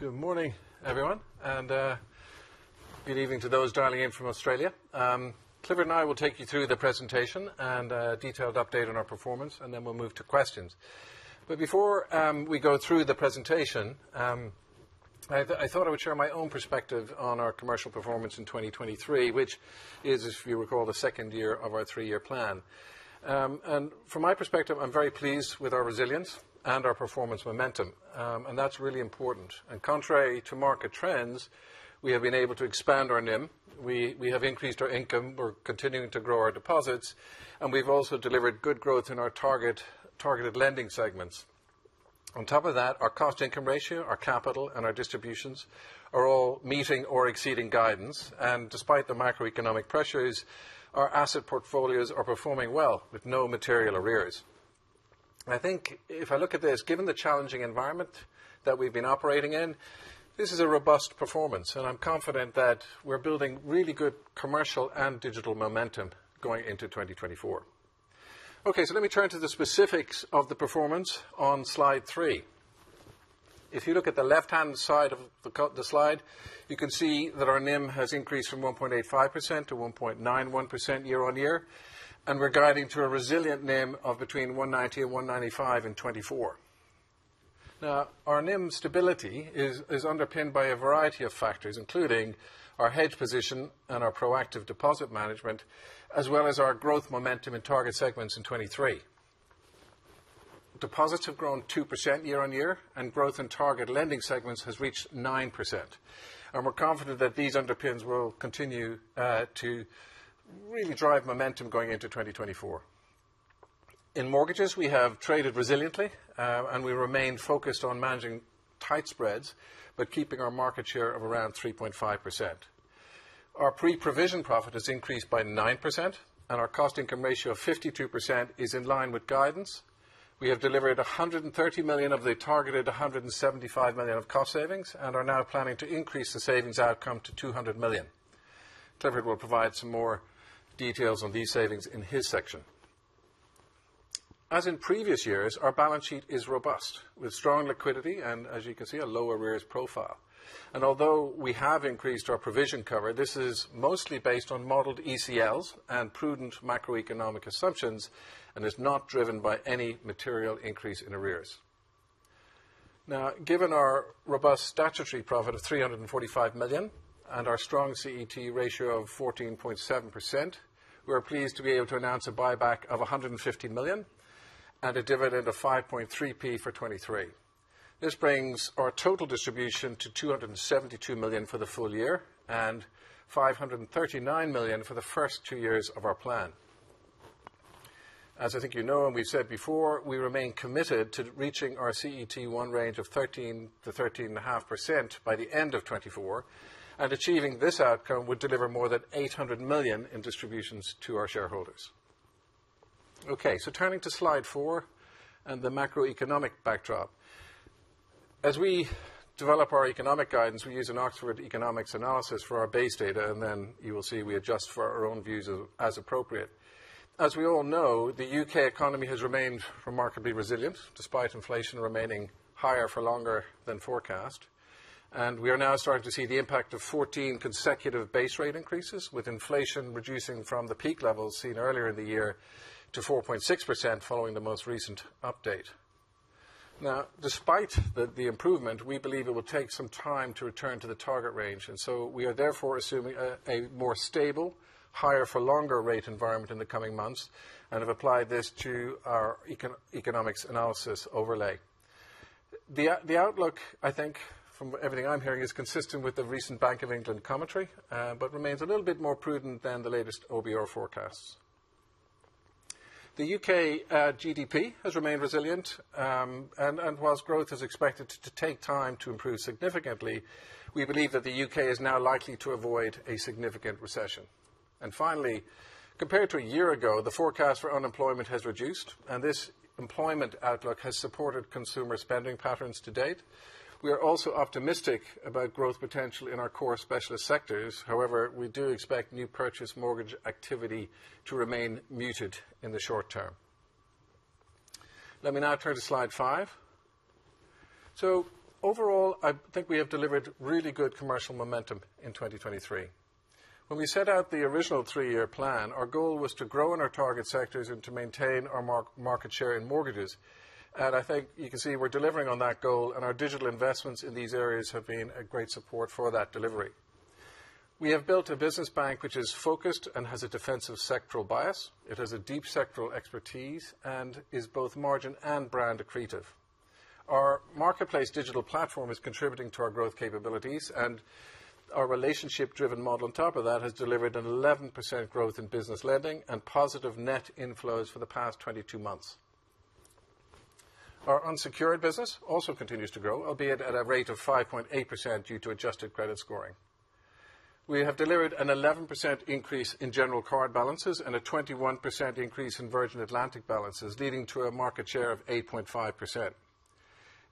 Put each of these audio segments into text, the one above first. Good morning, everyone, and good evening to those dialing in from Australia. Clifford and I will take you through the presentation and detailed update on our performance, and then we'll move to questions. But before we go through the presentation, I thought I would share my own perspective on our commercial performance in 2023, which is, if you recall, the second year of our three-year plan. And from my perspective, I'm very pleased with our resilience and our performance momentum, and that's really important. And contrary to market trends, we have been able to expand our NIM. We have increased our income, we're continuing to grow our deposits, and we've also delivered good growth in our targeted lending segments. On top of that, our cost income ratio, our capital, and our distributions are all meeting or exceeding guidance, and despite the macroeconomic pressures, our asset portfolios are performing well with no material arrears. I think if I look at this, given the challenging environment that we've been operating in, this is a robust performance, and I'm confident that we're building really good commercial and digital momentum going into 2024. Okay, so let me turn to the specifics of the performance on slide 3. If you look at the left-hand side of the slide, you can see that our NIM has increased from 1.85%-1.91% year-on-year, and we're guiding to a resilient NIM of between 1.90% and 1.95% in 2024. Now, our NIM stability is underpinned by a variety of factors, including our hedge position and our proactive deposit management, as well as our growth momentum in target segments in 2023. Deposits have grown 2% year-on-year, and growth in target lending segments has reached 9%, and we're confident that these underpinnings will continue to really drive momentum going into 2024. In mortgages, we have traded resiliently, and we remain focused on managing tight spreads, but keeping our market share of around 3.5%. Our pre-provision profit has increased by 9%, and our cost income ratio of 52% is in line with guidance. We have delivered 130 million of the targeted 175 million of cost savings and are now planning to increase the savings outcome to 200 million. Clifford will provide some more details on these savings in his section. As in previous years, our balance sheet is robust, with strong liquidity and, as you can see, a low arrears profile. Although we have increased our provision cover, this is mostly based on modeled ECLs and prudent macroeconomic assumptions and is not driven by any material increase in arrears. Now, given our robust statutory profit of 345 million and our strong CET1 ratio of 14.7%, we are pleased to be able to announce a buyback of 150 million and a dividend of 5.3p for 2023. This brings our total distribution to 272 million for the full year and 539 million for the first two years of our plan. As I think you know, and we've said before, we remain committed to reaching our CET1 range of 13%-13.5% by the end of 2024, and achieving this outcome would deliver more than 800 million in distributions to our shareholders. Okay, so turning to slide four and the macroeconomic backdrop. As we develop our economic guidance, we use an Oxford Economics analysis for our base data, and then you will see we adjust for our own views as, as appropriate. As we all know, the UK economy has remained remarkably resilient, despite inflation remaining higher for longer than forecast. We are now starting to see the impact of 14 consecutive base rate increases, with inflation reducing from the peak levels seen earlier in the year to 4.6% following the most recent update. Now, despite the improvement, we believe it will take some time to return to the target range, and so we are therefore assuming a more stable, higher for longer rate environment in the coming months and have applied this to our economics analysis overlay. The outlook, I think, from everything I'm hearing, is consistent with the recent Bank of England commentary, but remains a little bit more prudent than the latest OBR forecasts. The UK GDP has remained resilient, and while growth is expected to take time to improve significantly, we believe that the UK is now likely to avoid a significant recession. Finally, compared to a year ago, the forecast for unemployment has reduced, and this employment outlook has supported consumer spending patterns to date. We are also optimistic about growth potential in our core specialist sectors. However, we do expect new purchase mortgage activity to remain muted in the short term. Let me now turn to slide five. So overall, I think we have delivered really good commercial momentum in 2023. When we set out the original three-year plan, our goal was to grow in our target sectors and to maintain our market share in mortgages. And I think you can see we're delivering on that goal, and our digital investments in these areas have been a great support for that delivery. We have built a business bank which is focused and has a defensive sectoral bias. It has a deep sectoral expertise and is both margin and brand accretive. Our marketplace digital platform is contributing to our growth capabilities, and our relationship-driven model on top of that has delivered an 11% growth in business lending and positive net inflows for the past 22 months. Our unsecured business also continues to grow, albeit at a rate of 5.8% due to adjusted credit scoring. We have delivered an 11% increase in general card balances and a 21% increase in Virgin Atlantic balances, leading to a market share of 8.5%.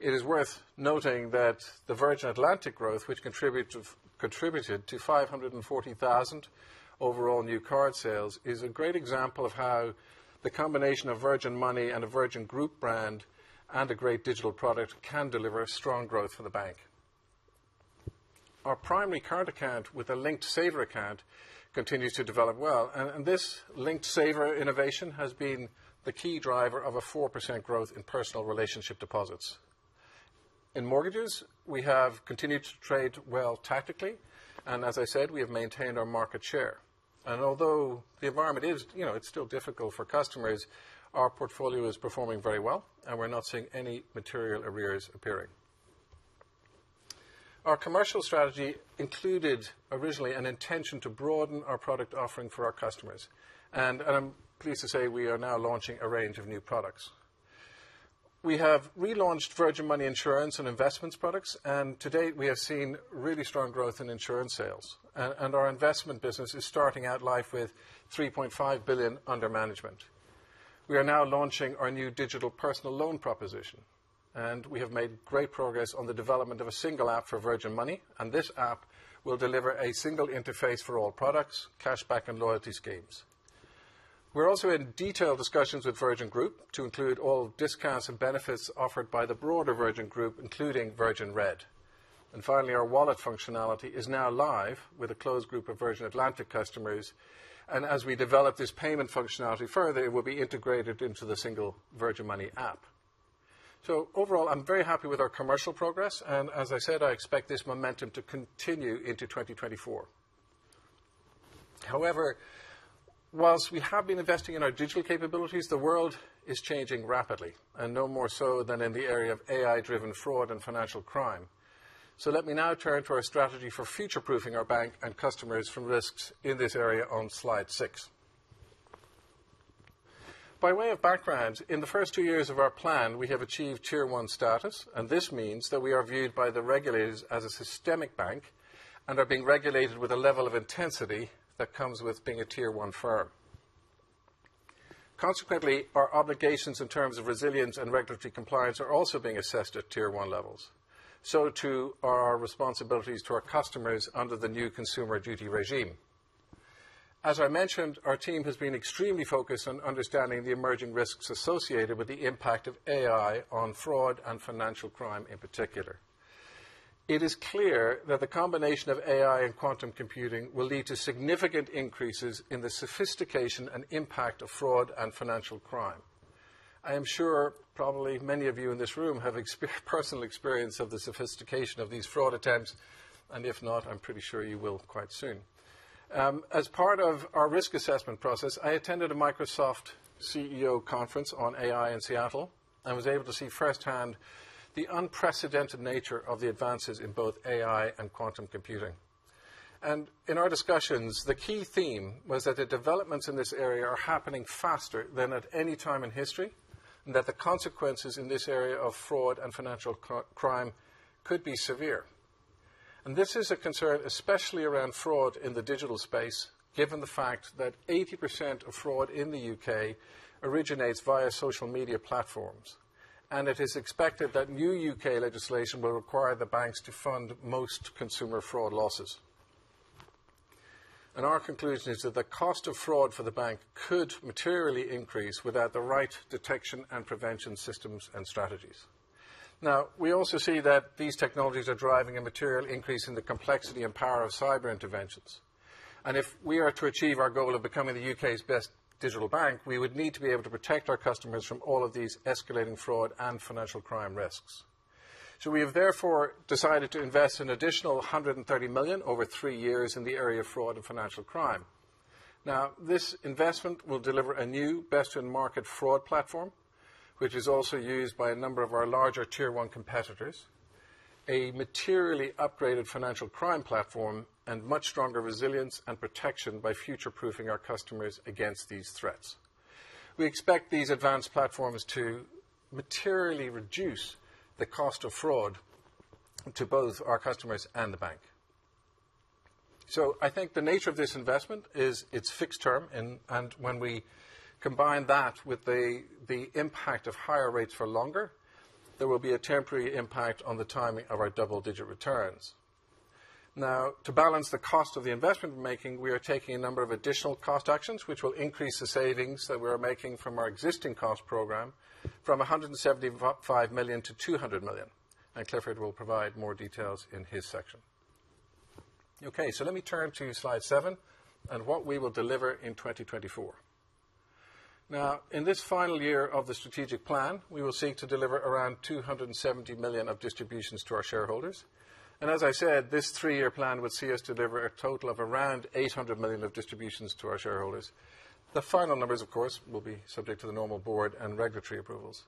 It is worth noting that the Virgin Atlantic growth, which contributed to 540,000 overall new card sales, is a great example of how the combination of Virgin Money and a Virgin Group brand and a great digital product can deliver strong growth for the bank. Our primary current account with a Linked Saver account continues to develop well, and this Linked Saver innovation has been the key driver of a 4% growth in personal relationship deposits. In mortgages, we have continued to trade well tactically, and as I said, we have maintained our market share. And although the environment is, you know, it's still difficult for customers, our portfolio is performing very well, and we're not seeing any material arrears appearing. Our commercial strategy included originally an intention to broaden our product offering for our customers, and I'm pleased to say we are now launching a range of new products. We have relaunched Virgin Money Insurance and Investments products, and to date, we have seen really strong growth in insurance sales. And our investment business is starting out life with 3.5 billion under management. We are now launching our new digital personal loan proposition, and we have made great progress on the development of a single app for Virgin Money, and this app will deliver a single interface for all products, cashback and loyalty schemes. We're also in detailed discussions with Virgin Group to include all discounts and benefits offered by the broader Virgin Group, including Virgin Red. And finally, our wallet functionality is now live with a closed group of Virgin Atlantic customers, and as we develop this payment functionality further, it will be integrated into the single Virgin Money app. So overall, I'm very happy with our commercial progress, and as I said, I expect this momentum to continue into 2024. However, while we have been investing in our digital capabilities, the world is changing rapidly, and no more so than in the area of AI-driven fraud and financial crime. So let me now turn to our strategy for future-proofing our bank and customers from risks in this area on slide six. By way of background, in the first two years of our plan, we have achieved Tier 1 status, and this means that we are viewed by the regulators as a systemic bank and are being regulated with a level of intensity that comes with being a Tier 1 firm. Consequently, our obligations in terms of resilience and regulatory compliance are also being assessed at Tier 1 levels, so too are our responsibilities to our customers under the new Consumer Duty regime. As I mentioned, our team has been extremely focused on understanding the emerging risks associated with the impact of AI on fraud and financial crime in particular. It is clear that the combination of AI and quantum computing will lead to significant increases in the sophistication and impact of fraud and financial crime. I am sure probably many of you in this room have personal experience of the sophistication of these fraud attempts, and if not, I'm pretty sure you will quite soon. As part of our risk assessment process, I attended a Microsoft CEO conference on AI in Seattle and was able to see firsthand the unprecedented nature of the advances in both AI and quantum computing. In our discussions, the key theme was that the developments in this area are happening faster than at any time in history, and that the consequences in this area of fraud and financial crime could be severe. This is a concern, especially around fraud in the digital space, given the fact that 80% of fraud in the UK originates via social media platforms. It is expected that new UK legislation will require the banks to fund most consumer fraud losses. Our conclusion is that the cost of fraud for the bank could materially increase without the right detection and prevention systems and strategies. Now, we also see that these technologies are driving a material increase in the complexity and power of cyber interventions. If we are to achieve our goal of becoming the UK's best digital bank, we would need to be able to protect our customers from all of these escalating fraud and financial crime risks. So we have therefore decided to invest an additional 130 million over three years in the area of fraud and financial crime. Now, this investment will deliver a new best-in-market fraud platform, which is also used by a number of our larger Tier 1 competitors, a materially upgraded financial crime platform, and much stronger resilience and protection by future-proofing our customers against these threats. We expect these advanced platforms to materially reduce the cost of fraud to both our customers and the bank. So I think the nature of this investment is it's fixed term, and when we combine that with the impact of higher rates for longer, there will be a temporary impact on the timing of our double-digit returns. Now, to balance the cost of the investment we're making, we are taking a number of additional cost actions, which will increase the savings that we are making from our existing cost program from 175 million to 200 million, and Clifford will provide more details in his section. Okay, so let me turn to slide seven and what we will deliver in 2024. Now, in this final year of the strategic plan, we will seek to deliver around 270 million of distributions to our shareholders. And as I said, this three-year plan will see us deliver a total of around 800 million of distributions to our shareholders. The final numbers, of course, will be subject to the normal Board and regulatory approvals.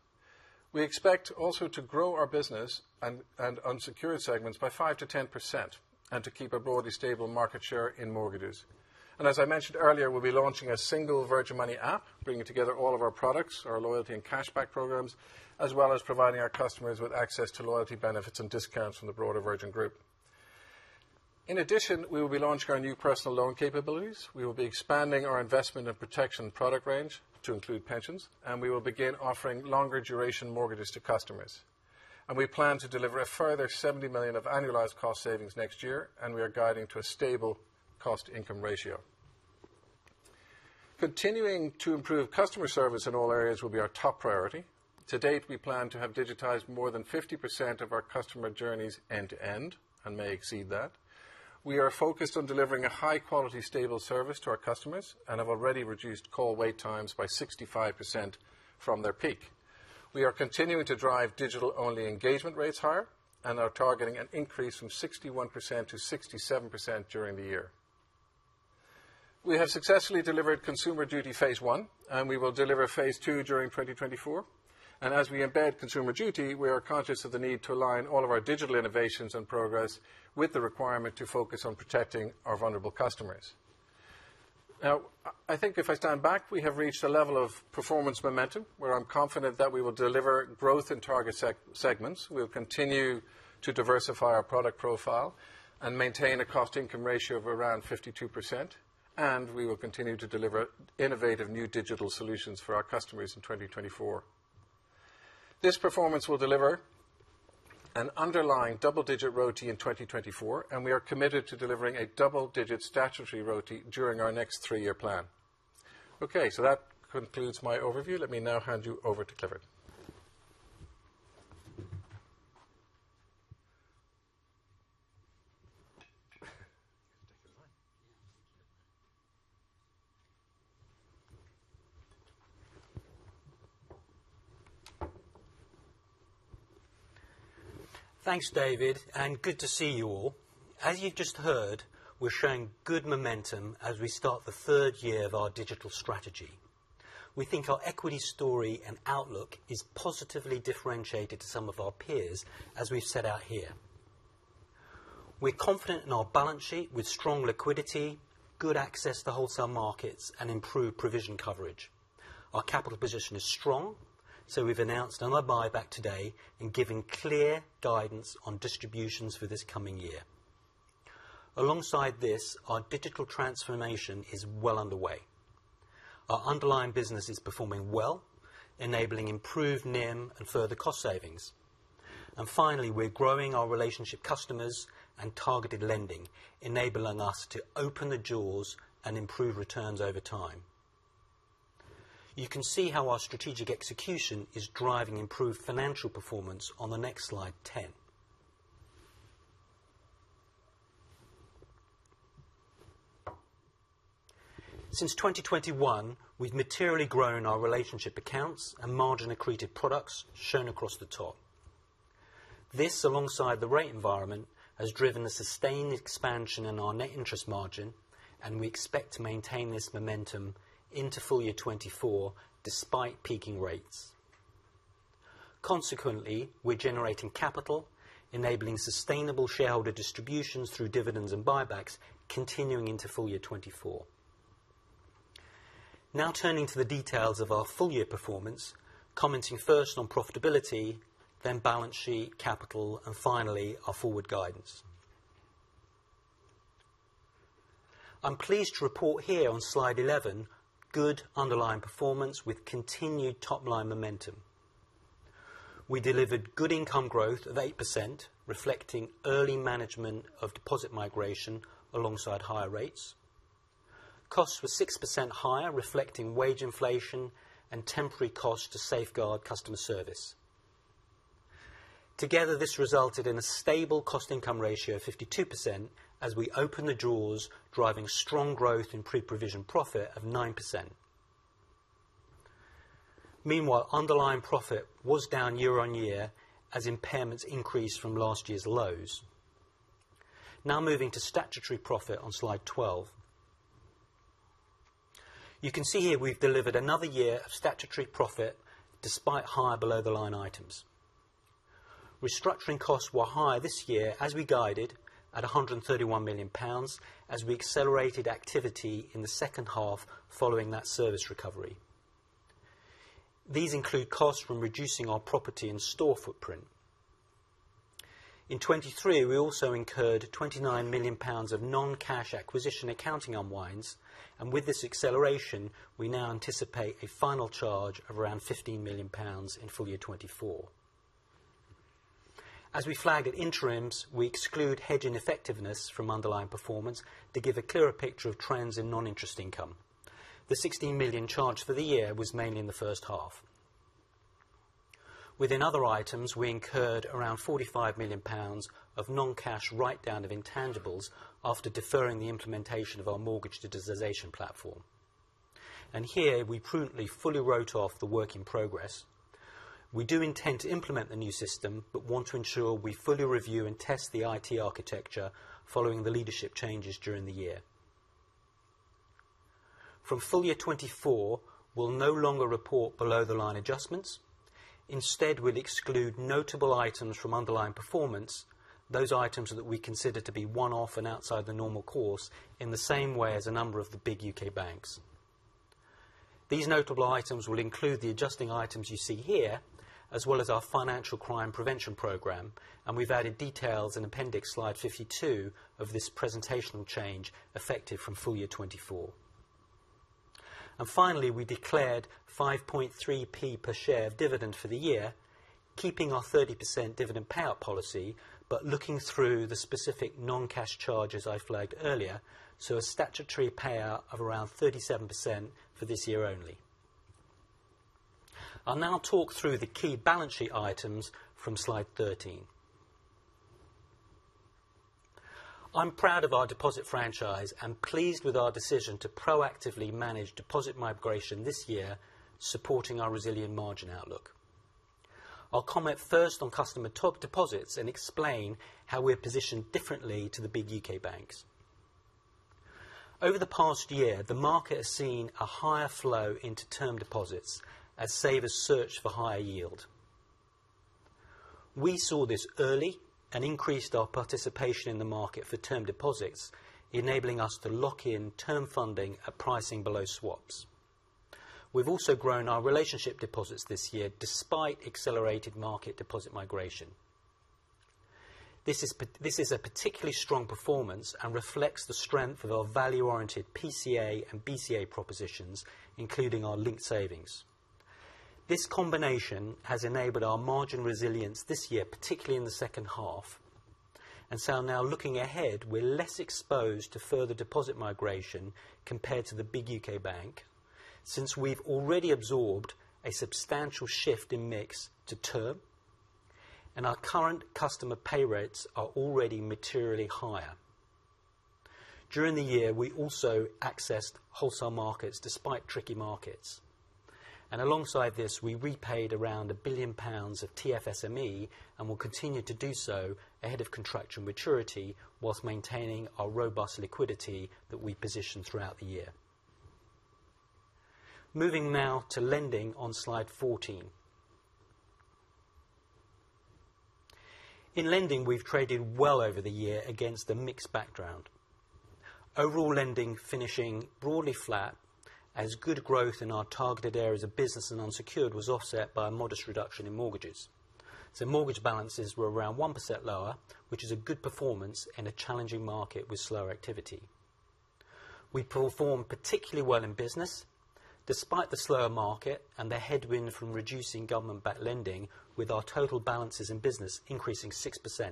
We expect also to grow our business and unsecured segments by 5%-10% and to keep a broadly stable market share in mortgages. As I mentioned earlier, we'll be launching a single Virgin Money app, bringing together all of our products, our loyalty and cashback programs, as well as providing our customers with access to loyalty benefits and discounts from the broader Virgin Group. In addition, we will be launching our new personal loan capabilities. We will be expanding our investment and protection product range to include pensions, and we will begin offering longer duration mortgages to customers. We plan to deliver a further 70 million of annualized cost savings next year, and we are guiding to a stable cost-to-income ratio. Continuing to improve customer service in all areas will be our top priority. To date, we plan to have digitized more than 50% of our customer journeys end to end and may exceed that. We are focused on delivering a high quality, stable service to our customers and have already reduced call wait times by 65% from their peak. We are continuing to drive digital only engagement rates higher and are targeting an increase from 61% to 67% during the year. We have successfully delivered Consumer Duty phase one, and we will deliver phase two during 2024. And as we embed Consumer Duty, we are conscious of the need to align all of our digital innovations and progress with the requirement to focus on protecting our vulnerable customers. Now, I think if I stand back, we have reached a level of performance momentum, where I'm confident that we will deliver growth in target segments. We'll continue to diversify our product profile and maintain a cost income ratio of around 52%, and we will continue to deliver innovative new digital solutions for our customers in 2024. This performance will deliver an underlying double-digit ROTE in 2024, and we are committed to delivering a double-digit statutory ROTE during our next three-year plan. Okay, so that concludes my overview. Let me now hand you over to Clifford. Thanks, David, and good to see you all. As you've just heard, we're showing good momentum as we start the third year of our digital strategy. We think our equity story and outlook is positively differentiated to some of our peers, as we've set out here. We're confident in our balance sheet, with strong liquidity, good access to wholesale markets, and improved provision coverage. Our capital position is strong, so we've announced another buyback today and given clear guidance on distributions for this coming year. Alongside this, our digital transformation is well underway. Our underlying business is performing well, enabling improved NIM and further cost savings. And finally, we're growing our relationship customers and targeted lending, enabling us to open the doors and improve returns over time. You can see how our strategic execution is driving improved financial performance on the next slide, 10. Since 2021, we've materially grown our relationship accounts and margin accretive products shown across the top. This, alongside the rate environment, has driven a sustained expansion in our net interest margin, and we expect to maintain this momentum into full year 2024, despite peaking rates. Consequently, we're generating capital, enabling sustainable shareholder distributions through dividends and buybacks continuing into full year 2024. Now turning to the details of our full year performance, commenting first on profitability, then balance sheet, capital, and finally, our forward guidance. I'm pleased to report here on slide 11, good underlying performance with continued top line momentum. We delivered good income growth of 8%, reflecting early management of deposit migration alongside higher rates. Costs were 6% higher, reflecting wage inflation and temporary costs to safeguard customer service. Together, this resulted in a stable cost income ratio of 52% as we open the doors, driving strong growth in pre-provision profit of 9%. Meanwhile, underlying profit was down year-on-year as impairments increased from last year's lows. Now moving to statutory profit on slide 12. You can see here we've delivered another year of statutory profit despite higher below-the-line items. Restructuring costs were higher this year as we guided at 131 million pounds as we accelerated activity in the second half following that service recovery. These include costs from reducing our property and store footprint. In 2023, we also incurred 29 million pounds of non-cash acquisition accounting unwinds, and with this acceleration, we now anticipate a final charge of around 15 million pounds in full year 2024. As we flagged at interims, we exclude hedging effectiveness from underlying performance to give a clearer picture of trends in non-interest income. The 16 million charge for the year was mainly in the first half. Within other items, we incurred around 45 million pounds of non-cash write-down of intangibles after deferring the implementation of our mortgage digitization platform. And here, we prudently fully wrote off the work in progress. We do intend to implement the new system, but want to ensure we fully review and test the IT architecture following the leadership changes during the year. From full year 2024, we'll no longer report below-the-line adjustments. Instead, we'll exclude notable items from underlying performance, those items that we consider to be one-off and outside the normal course, in the same way as a number of the big UK banks. These notable items will include the adjusting items you see here, as well as our financial crime prevention program, and we've added details in appendix slide 52 of this presentational change, effective from full year 2024. And finally, we declared 5.3p per share of dividend for the year... keeping our 30% dividend payout policy, but looking through the specific non-cash charges I flagged earlier, so a statutory payout of around 37% for this year only. I'll now talk through the key balance sheet items from slide 13. I'm proud of our deposit franchise and pleased with our decision to proactively manage deposit migration this year, supporting our resilient margin outlook. I'll comment first on customer top deposits and explain how we're positioned differently to the big UK banks. Over the past year, the market has seen a higher flow into term deposits as savers search for higher yield. We saw this early and increased our participation in the market for term deposits, enabling us to lock in term funding at pricing below swaps. We've also grown our relationship deposits this year, despite accelerated market deposit migration. This is a particularly strong performance and reflects the strength of our value-oriented PCA and BCA propositions, including our linked savings. This combination has enabled our margin resilience this year, particularly in the second half, and so now looking ahead, we're less exposed to further deposit migration compared to the big UK bank, since we've already absorbed a substantial shift in mix to term, and our current customer pay rates are already materially higher. During the year, we also accessed wholesale markets despite tricky markets, and alongside this, we repaid around 1 billion pounds of TFSME, and will continue to do so ahead of contractual maturity, whilst maintaining our robust liquidity that we positioned throughout the year. Moving now to lending on slide 14. In lending, we've traded well over the year against the mixed background. Overall lending finishing broadly flat as good growth in our targeted areas of business and unsecured was offset by a modest reduction in mortgages. So mortgage balances were around 1% lower, which is a good performance in a challenging market with slower activity. We performed particularly well in business, despite the slower market and the headwind from reducing government-backed lending, with our total balances in business increasing 6%.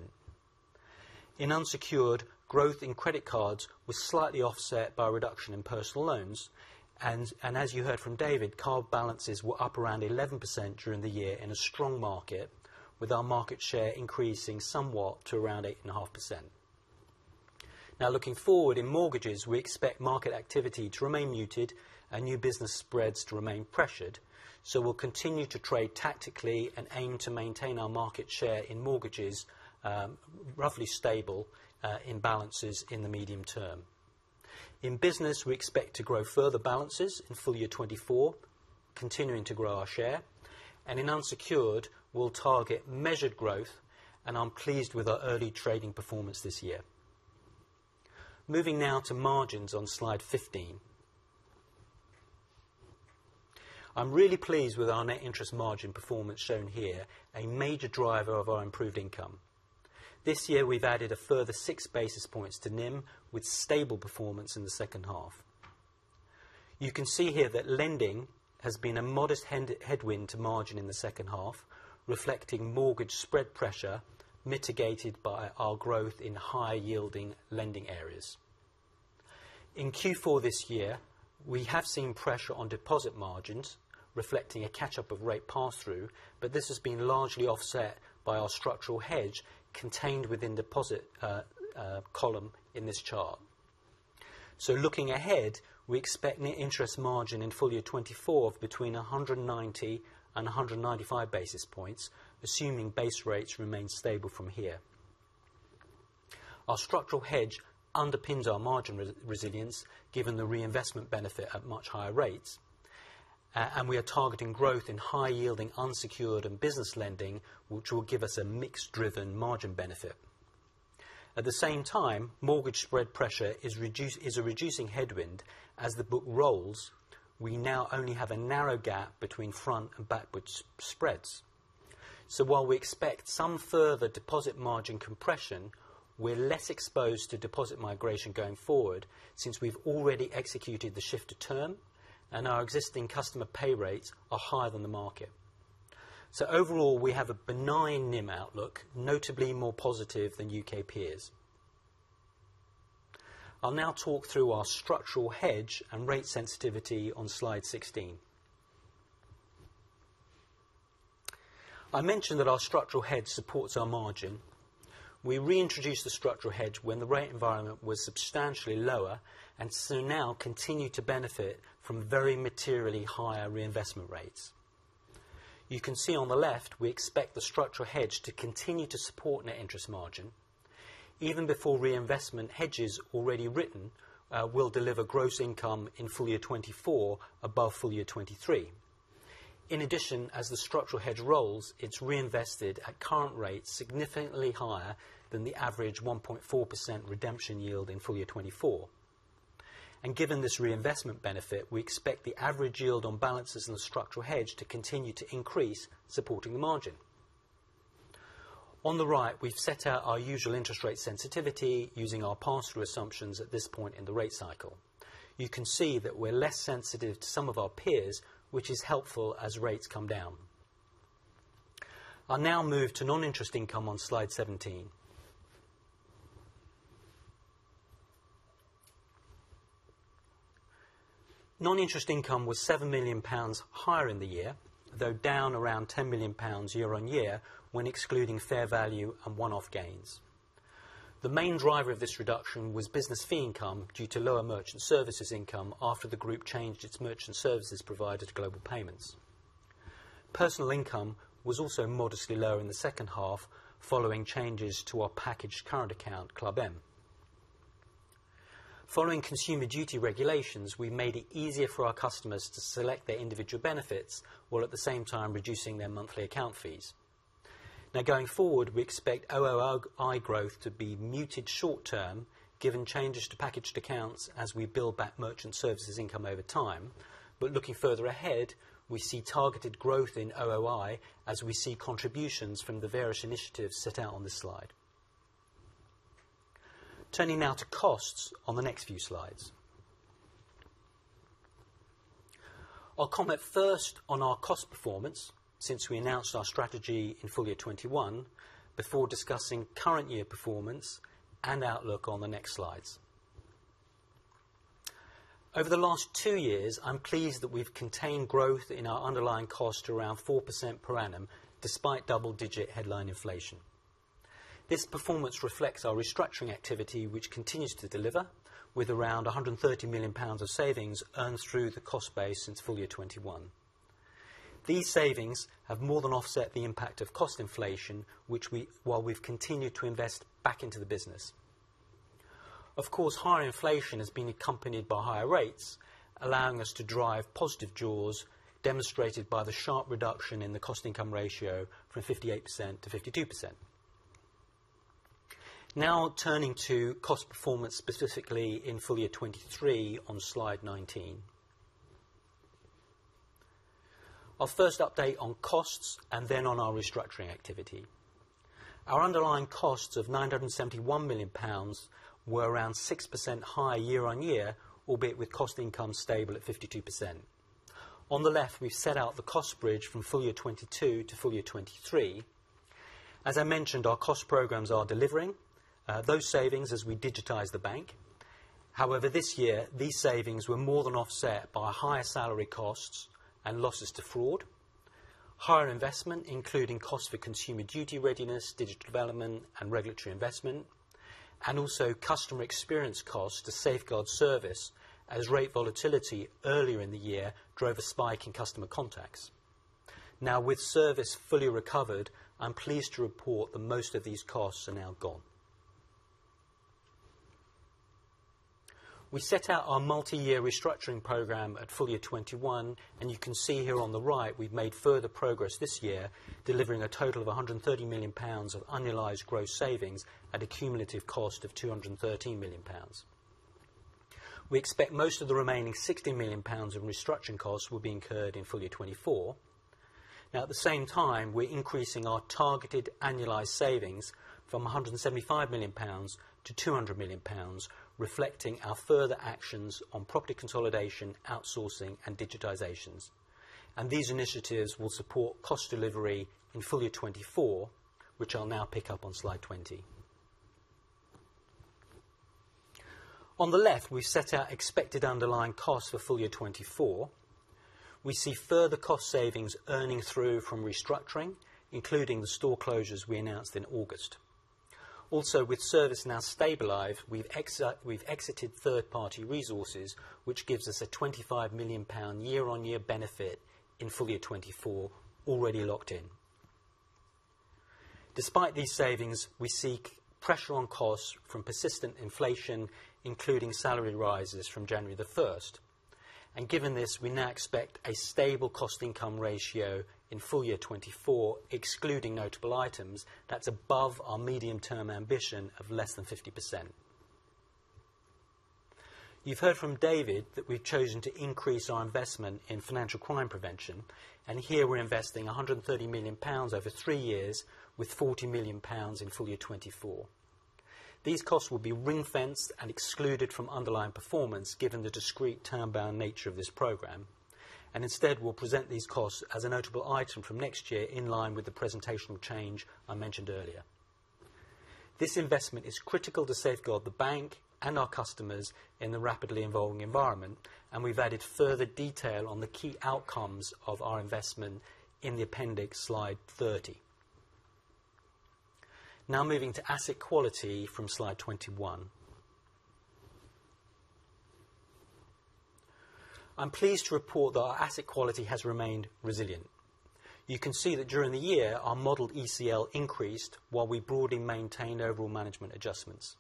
In unsecured, growth in credit cards was slightly offset by a reduction in personal loans, and as you heard from David, card balances were up around 11% during the year in a strong market, with our market share increasing somewhat to around 8.5%. Now, looking forward, in mortgages, we expect market activity to remain muted and new business spreads to remain pressured, so we'll continue to trade tactically and aim to maintain our market share in mortgages, roughly stable, in balances in the medium term. In business, we expect to grow further balances in full year 2024, continuing to grow our share, and in unsecured, we'll target measured growth, and I'm pleased with our early trading performance this year. Moving now to margins on slide 15. I'm really pleased with our net interest margin performance shown here, a major driver of our improved income. This year, we've added a further 6 basis points to NIM, with stable performance in the second half. You can see here that lending has been a modest headwind to margin in the second half, reflecting mortgage spread pressure, mitigated by our growth in higher yielding lending areas. In Q4 this year, we have seen pressure on deposit margins, reflecting a catch-up of rate pass-through, but this has been largely offset by our structural hedge contained within deposit column in this chart. So looking ahead, we expect net interest margin in full year 2024 between 190 and 195 basis points, assuming base rates remain stable from here. Our structural hedge underpins our margin resilience, given the reinvestment benefit at much higher rates. And we are targeting growth in high-yielding, unsecured, and business lending, which will give us a mix-driven margin benefit. At the same time, mortgage spread pressure is a reducing headwind as the book rolls. We now only have a narrow gap between front and backwards spreads. So while we expect some further deposit margin compression, we're less exposed to deposit migration going forward, since we've already executed the shift to term, and our existing customer pay rates are higher than the market. So overall, we have a benign NIM outlook, notably more positive than UK peers. I'll now talk through our structural hedge and rate sensitivity on slide 16. I mentioned that our structural hedge supports our margin. We reintroduced the structural hedge when the rate environment was substantially lower, and so now continue to benefit from very materially higher reinvestment rates. You can see on the left, we expect the structural hedge to continue to support net interest margin. Even before reinvestment, hedges already written will deliver gross income in full year 2024, above full year 2023. In addition, as the structural hedge rolls, it's reinvested at current rates significantly higher than the average 1.4% redemption yield in full year 2024. And given this reinvestment benefit, we expect the average yield on balances in the structural hedge to continue to increase, supporting the margin. On the right, we've set out our usual interest rate sensitivity using our pass-through assumptions at this point in the rate cycle. You can see that we're less sensitive to some of our peers, which is helpful as rates come down. I'll now move to non-interest income on slide 17. Non-interest income was 7 million pounds higher in the year, though down around 10 million pounds year-over-year, when excluding fair value and one-off gains. The main driver of this reduction was business fee income due to lower merchant services income after the group changed its merchant services provider to Global Payments. Personal income was also modestly lower in the second half, following changes to our packaged current account, Club M. Following Consumer Duty regulations, we made it easier for our customers to select their individual benefits, while at the same time reducing their monthly account fees. Now, going forward, we expect OOI growth to be muted short term, given changes to packaged accounts as we build back merchant services income over time. But looking further ahead, we see targeted growth in OOI as we see contributions from the various initiatives set out on this slide. Turning now to costs on the next few slides. I'll comment first on our cost performance since we announced our strategy in full year 2021, before discussing current year performance and outlook on the next slides. Over the last two years, I'm pleased that we've contained growth in our underlying cost around 4% per annum, despite double digit headline inflation. This performance reflects our restructuring activity, which continues to deliver with around 130 million pounds of savings earned through the cost base since full year 2021. These savings have more than offset the impact of cost inflation, which, while we've continued to invest back into the business. Of course, higher inflation has been accompanied by higher rates, allowing us to drive positive jaws, demonstrated by the sharp reduction in the cost income ratio from 58%-52%. Now, turning to cost performance, specifically in full year 2023 on slide 19. Our first update on costs and then on our restructuring activity. Our underlying costs of 971 million pounds were around 6% higher year-on-year, albeit with cost income stable at 52%. On the left, we've set out the cost bridge from full year 2022 to full year 2023. As I mentioned, our cost programs are delivering those savings as we digitize the bank. However, this year, these savings were more than offset by higher salary costs and losses to fraud, higher investment, including cost for Consumer Duty readiness, digital development, and regulatory investment, and also customer experience costs to safeguard service as rate volatility earlier in the year drove a spike in customer contacts. Now, with service fully recovered, I'm pleased to report that most of these costs are now gone. We set out our multi-year restructuring program at full year 2021, and you can see here on the right, we've made further progress this year, delivering a total of 130 million pounds of annualized gross savings at a cumulative cost of 213 million pounds. We expect most of the remaining 60 million pounds in restructuring costs will be incurred in full year 2024. Now, at the same time, we're increasing our targeted annualized savings from 175 million pounds to 200 million pounds, reflecting our further actions on property consolidation, outsourcing, and digitizations. These initiatives will support cost delivery in full year 2024, which I'll now pick up on slide 20. On the left, we've set out expected underlying costs for full year 2024. We see further cost savings earning through from restructuring, including the store closures we announced in August. Also, with service now stabilized, we've exited third-party resources, which gives us a 25 million pound year-on-year benefit in full year 2024, already locked in. Despite these savings, we see pressure on costs from persistent inflation, including salary rises from January the first, and given this, we now expect a stable cost income ratio in full year 2024, excluding notable items, that's above our medium-term ambition of less than 50%. You've heard from David that we've chosen to increase our investment in financial crime prevention, and here we're investing 130 million pounds over three years with 40 million pounds in full year 2024. These costs will be ring-fenced and excluded from underlying performance, given the discrete time-bound nature of this program, and instead, we'll present these costs as a notable item from next year in line with the presentational change I mentioned earlier. This investment is critical to safeguard the bank and our customers in the rapidly evolving environment, and we've added further detail on the key outcomes of our investment in the appendix, slide 30. Now, moving to asset quality from slide 21. I'm pleased to report that our asset quality has remained resilient. You can see that during the year, our modeled ECL increased, while we broadly maintained overall management adjustments.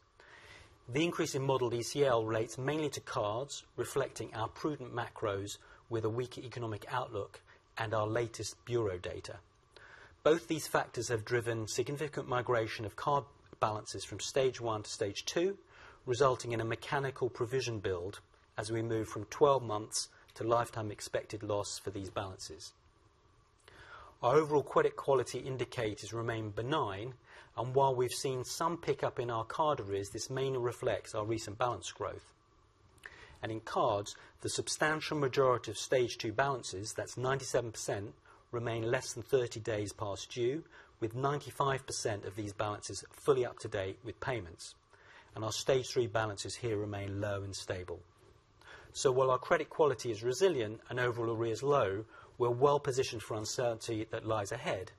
The increase in modeled ECL relates mainly to cards, reflecting our prudent macros with a weaker economic outlook and our latest bureau data. Both these factors have driven significant migration of card balances from Stage 1 to Stage 2, resulting in a mechanical provision build as we move from 12 months to lifetime expected loss for these balances. Our overall credit quality indicators remain benign, and while we've seen some pickup in our card arrears, this mainly reflects our recent balance growth. And in cards, the substantial majority of Stage 2 balances, that's 97%, remain less than 30 days past due, with 95% of these balances fully up to date with payments. And our Stage 3 balances here remain low and stable. So while our credit quality is resilient and overall arrears low, we're well positioned for uncertainty that lies ahead,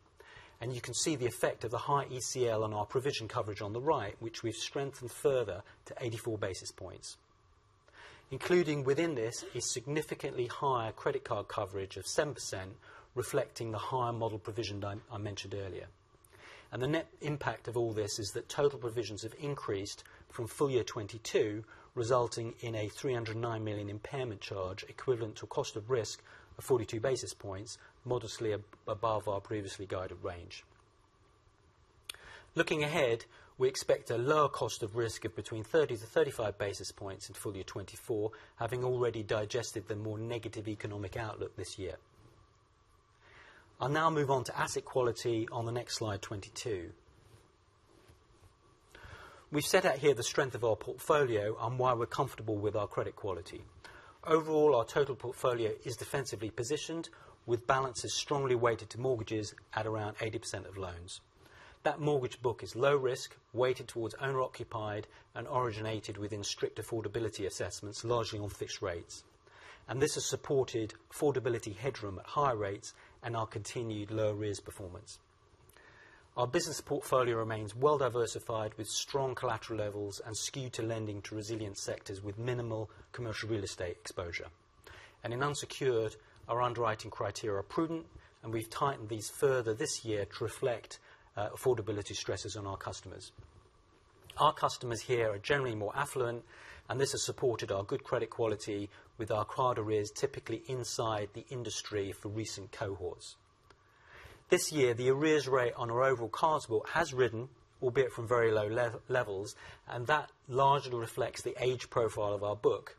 and you can see the effect of the high ECL on our provision coverage on the right, which we've strengthened further to 84 basis points. Including within this is significantly higher credit card coverage of 7%, reflecting the higher model provisioned I mentioned earlier. The net impact of all this is that total provisions have increased from full year 2022, resulting in a 309 million impairment charge, equivalent to cost of risk of 42 basis points, modestly above our previously guided range. Looking ahead, we expect a lower cost of risk of between 30-35 basis points in full year 2024, having already digested the more negative economic outlook this year. I'll now move on to asset quality on the next slide, 22. We've set out here the strength of our portfolio and why we're comfortable with our credit quality. Overall, our total portfolio is defensively positioned, with balances strongly weighted to mortgages at around 80% of loans. That mortgage book is low risk, weighted towards owner occupied, and originated within strict affordability assessments, largely on fixed rates. This has supported affordability headroom at higher rates and our continued low arrears performance. Our business portfolio remains well diversified, with strong collateral levels and skew to lending to resilient sectors, with minimal commercial real estate exposure. In unsecured, our underwriting criteria are prudent, and we've tightened these further this year to reflect affordability stresses on our customers. Our customers here are generally more affluent, and this has supported our good credit quality with our card arrears, typically inside the industry for recent cohorts. This year, the arrears rate on our overall cards book has risen, albeit from very low levels, and that largely reflects the age profile of our book.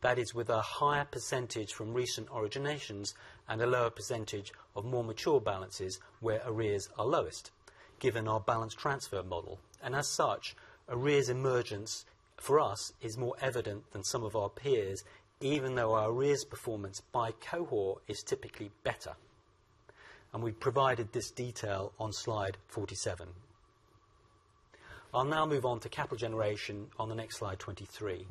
That is, with a higher percentage from recent originations and a lower percentage of more mature balances where arrears are lowest, given our balance transfer model. And as such, arrears emergence for us is more evident than some of our peers, even though our arrears performance by cohort is typically better, and we've provided this detail on Slide 47. I'll now move on to capital generation on the next slide, 23.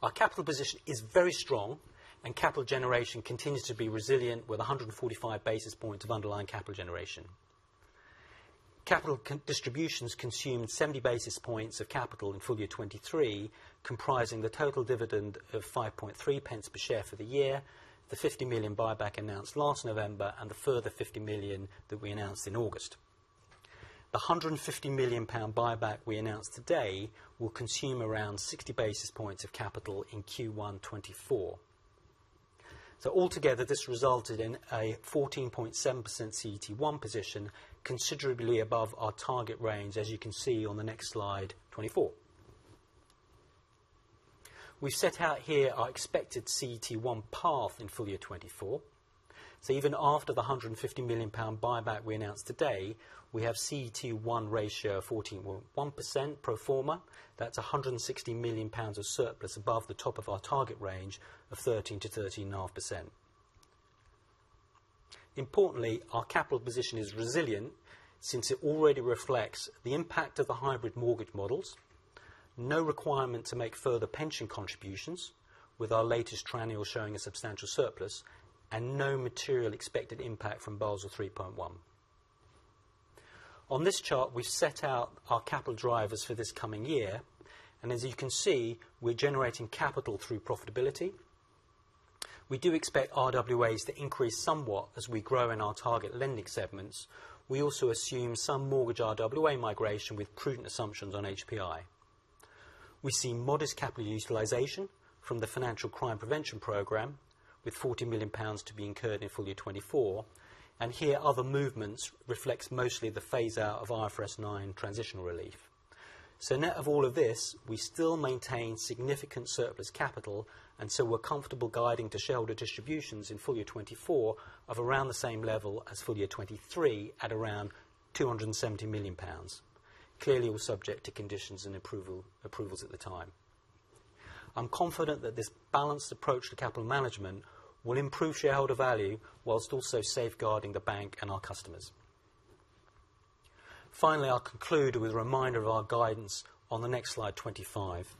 Our capital position is very strong, and capital generation continues to be resilient, with 145 basis points of underlying capital generation. Capital distributions consumed 70 basis points of capital in full year 2023, comprising the total dividend of 5.3p per share for the year, the 50 million buyback announced last November, and the further 50 million that we announced in August. The 150 million pound buyback we announced today will consume around 60 basis points of capital in Q1 2024. So altogether, this resulted in a 14.7% CET1 position, considerably above our target range, as you can see on the next slide, 24. We've set out here our expected CET1 path in full year 2024. So even after the 150 million pound buyback we announced today, we have CET1 ratio of 14.1% pro forma. That's 160 million pounds of surplus above the top of our target range of 13%-13.5%. Importantly, our capital position is resilient since it already reflects the impact of the hybrid mortgage models, no requirement to make further pension contributions with our latest triennial showing a substantial surplus, and no material expected impact from Basel 3.1. On this chart, we've set out our capital drivers for this coming year, and as you can see, we're generating capital through profitability. We do expect RWAs to increase somewhat as we grow in our target lending segments. We also assume some mortgage RWA migration with prudent assumptions on HPI. We see modest capital utilization from the Financial Crime Prevention program, with 40 million pounds to be incurred in full year 2024. Here, other movements reflects mostly the phaseout of IFRS 9 transitional relief. Net of all of this, we still maintain significant surplus capital, and so we're comfortable guiding to shareholder distributions in full year 2024 of around the same level as full year 2023, at around 270 million pounds. Clearly, all subject to conditions and approval, approvals at the time. I'm confident that this balanced approach to capital management will improve shareholder value whilst also safeguarding the bank and our customers. Finally, I'll conclude with a reminder of our guidance on the next slide, 25.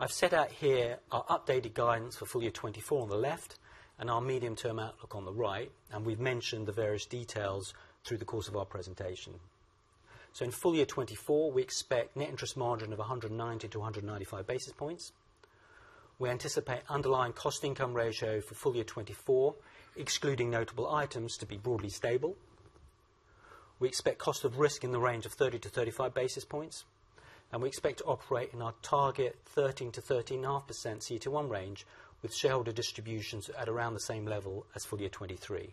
I've set out here our updated guidance for full year 2024 on the left and our medium-term outlook on the right, and we've mentioned the various details through the course of our presentation. So in full year 2024, we expect net interest margin of 190-195 basis points. We anticipate underlying cost income ratio for full year 2024, excluding notable items, to be broadly stable. We expect cost of risk in the range of 30-35 basis points, and we expect to operate in our target 13%-13.5% CET1 range, with shareholder distributions at around the same level as full year 2023....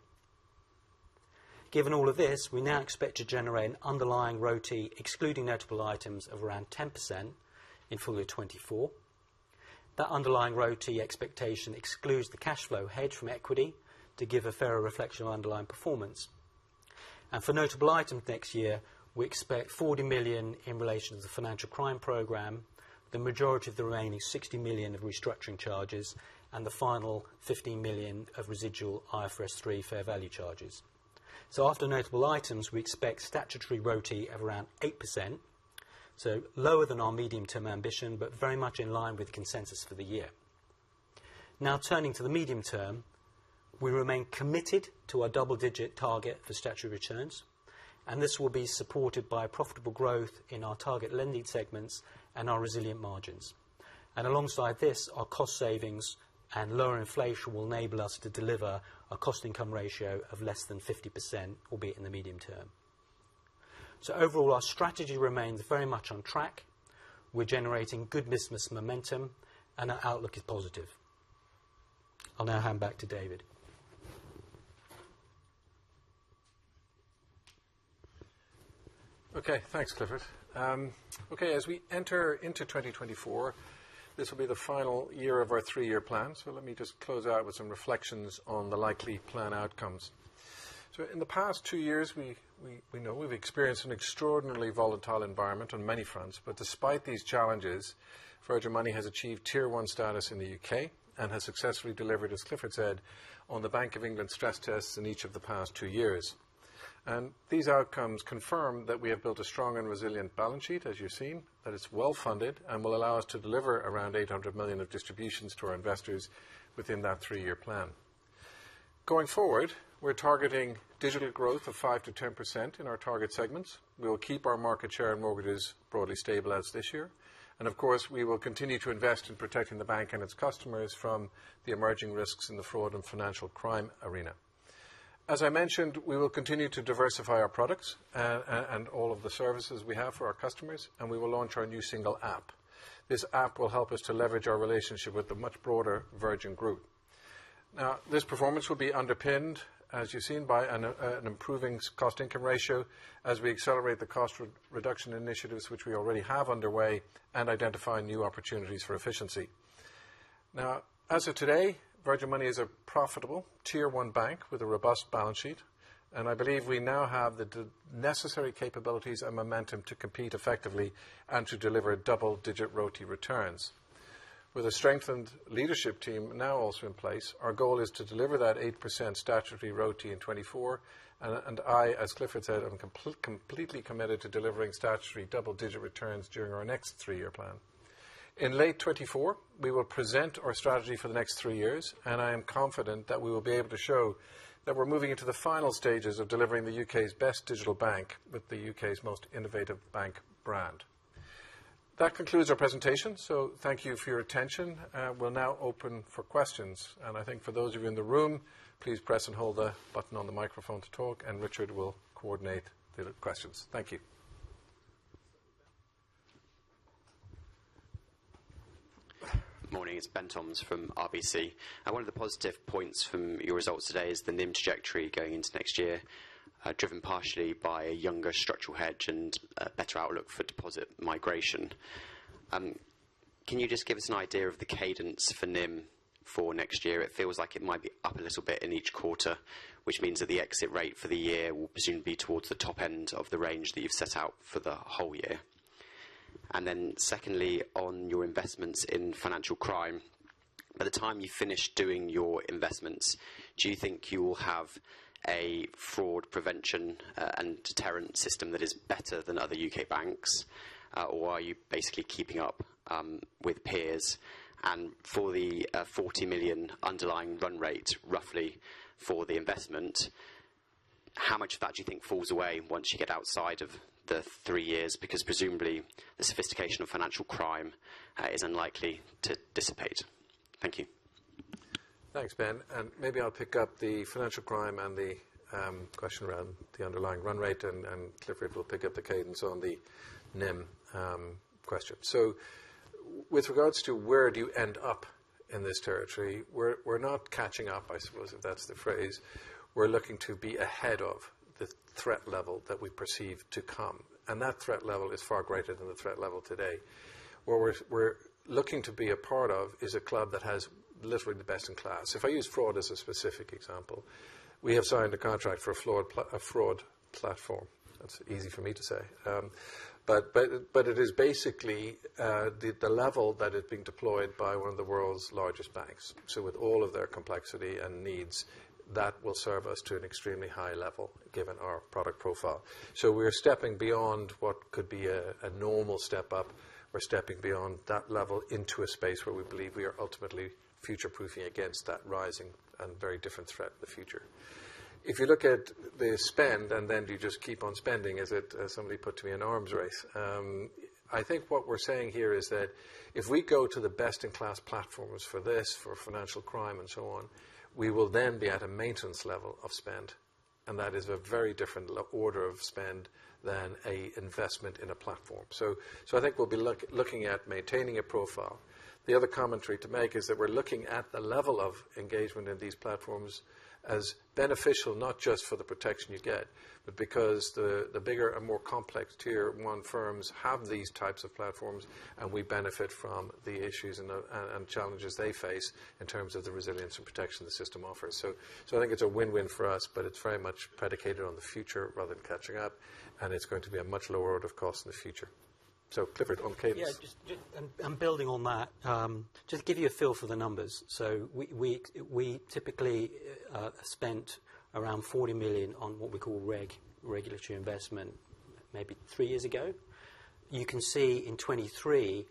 Given all of this, we now expect to generate an underlying ROTE, excluding notable items, of around 10% in full year 2024. That underlying ROTE expectation excludes the cash flow hedge from equity to give a fairer reflection on underlying performance. For notable items next year, we expect 40 million in relation to the financial crime program, the majority of the remaining 60 million of restructuring charges, and the final 15 million of residual IFRS 3 fair value charges. After notable items, we expect statutory ROTE of around 8%, so lower than our medium-term ambition, but very much in line with consensus for the year. Now, turning to the medium term, we remain committed to our double-digit target for statutory returns, and this will be supported by profitable growth in our target lending segments and our resilient margins. Alongside this, our cost savings and lower inflation will enable us to deliver a cost-income ratio of less than 50%, albeit in the medium term. Overall, our strategy remains very much on track. We're generating good business momentum, and our outlook is positive. I'll now hand back to David. Okay, thanks, Clifford. Okay, as we enter into 2024, this will be the final year of our three-year plan. So let me just close out with some reflections on the likely plan outcomes. So in the past two years, we know we've experienced an extraordinarily volatile environment on many fronts, but despite these challenges, Virgin Money has achieved Tier 1 status in the UK and has successfully delivered, as Clifford said, on the Bank of England stress tests in each of the past two years. And these outcomes confirm that we have built a strong and resilient balance sheet, as you've seen, that it's well-funded and will allow us to deliver around 800 million of distributions to our investors within that three-year plan. Going forward, we're targeting digital growth of 5%-10% in our target segments. We will keep our market share and mortgages broadly stable as this year, and of course, we will continue to invest in protecting the bank and its customers from the emerging risks in the fraud and financial crime arena. As I mentioned, we will continue to diversify our products, and all of the services we have for our customers, and we will launch our new single app. This app will help us to leverage our relationship with the much broader Virgin Group. Now, this performance will be underpinned, as you've seen, by an improving cost-income ratio as we accelerate the cost re-reduction initiatives, which we already have underway, and identify new opportunities for efficiency. Now, as of today, Virgin Money is a profitable Tier 1 bank with a robust balance sheet, and I believe we now have the necessary capabilities and momentum to compete effectively and to deliver double-digit ROTE returns. With a strengthened leadership team now also in place, our goal is to deliver that 8% statutory ROTE in 2024, and I, as Clifford said, am completely committed to delivering statutory double-digit returns during our next three-year plan. In late 2024, we will present our strategy for the next three years, and I am confident that we will be able to show that we're moving into the final stages of delivering the UK's best digital bank with the UK's most innovative bank brand. That concludes our presentation, so thank you for your attention. We'll now open for questions, and I think for those of you in the room, please press and hold the button on the microphone to talk, and Richard will coordinate the questions. Thank you. Morning, it's Ben Toms from RBC. Now, one of the positive points from your results today is the NIM trajectory going into next year, driven partially by a younger structural hedge and better outlook for deposit migration. Can you just give us an idea of the cadence for NIM for next year? It feels like it might be up a little bit in each quarter, which means that the exit rate for the year will presumably be towards the top end of the range that you've set out for the whole year. And then secondly, on your investments in financial crime, by the time you finish doing your investments, do you think you will have a fraud prevention and deterrent system that is better than other UK banks? Or are you basically keeping up with peers? For the 40 million underlying run rate, roughly for the investment, how much of that do you think falls away once you get outside of the three years? Because presumably, the sophistication of financial crime is unlikely to dissipate. Thank you. Thanks, Ben, and maybe I'll pick up the financial crime and the question around the underlying run rate, and Clifford will pick up the cadence on the NIM question. So with regards to where do you end up in this territory, we're, we're not catching up, I suppose, if that's the phrase. We're looking to be ahead of the threat level that we perceive to come, and that threat level is far greater than the threat level today. Where we're, we're looking to be a part of is a club that has literally the best in class. If I use fraud as a specific example, we have signed a contract for a fraud platform. That's easy for me to say. But it is basically the level that is being deployed by one of the world's largest banks. So with all of their complexity and needs, that will serve us to an extremely high level, given our product profile. So we're stepping beyond what could be a normal step up. We're stepping beyond that level into a space where we believe we are ultimately future-proofing against that rising and very different threat in the future. If you look at the spend, and then do you just keep on spending, as somebody put to me, an arms race? I think what we're saying here is that if we go to the best-in-class platforms for this, for financial crime, and so on, we will then be at a maintenance level of spend... and that is a very different order of spend than a investment in a platform. So I think we'll be looking at maintaining a profile. The other commentary to make is that we're looking at the level of engagement in these platforms as beneficial, not just for the protection you get, but because the bigger and more complex Tier 1 firms have these types of platforms, and we benefit from the issues and the challenges they face in terms of the resilience and protection the system offers. So I think it's a win-win for us, but it's very much predicated on the future rather than catching up, and it's going to be a much lower order of cost in the future. So Clifford, on cadence. Yeah, just and building on that, just to give you a feel for the numbers. So we typically spent around 40 million on what we call regulatory investment, maybe 3 years ago. You can see in 2023,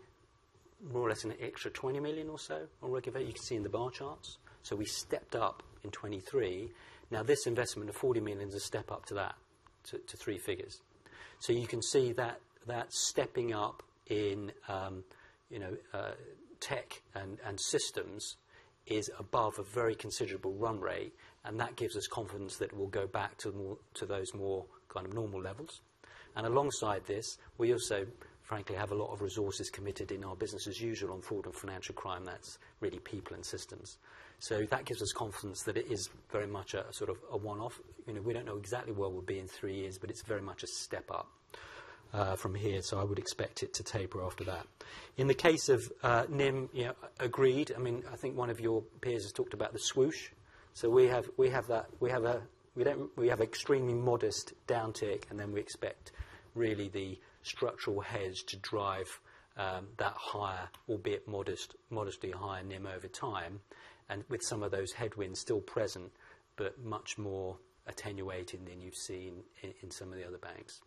more or less an extra 20 million or so on regulatory investment. You can see in the bar charts, so we stepped up in 2023. Now, this investment of 40 million is a step up to that to three figures. So you can see that stepping up in, you know, tech and systems is above a very considerable run rate, and that gives us confidence that we'll go back to more to those more kind of normal levels. And alongside this, we also, frankly, have a lot of resources committed in our business as usual on fraud and financial crime. That's really people and systems. So that gives us confidence that it is very much a, sort of a one-off. You know, we don't know exactly where we'll be in three years, but it's very much a step up from here, so I would expect it to taper after that. In the case of NIM, yeah, agreed. I mean, I think one of your peers has talked about the swoosh. So we have, we have that. We have a, we don't—we have extremely modest downtick, and then we expect really the structural hedge to drive that higher, albeit modest, modestly higher NIM over time, and with some of those headwinds still present, but much more attenuating than you've seen in some of the other banks.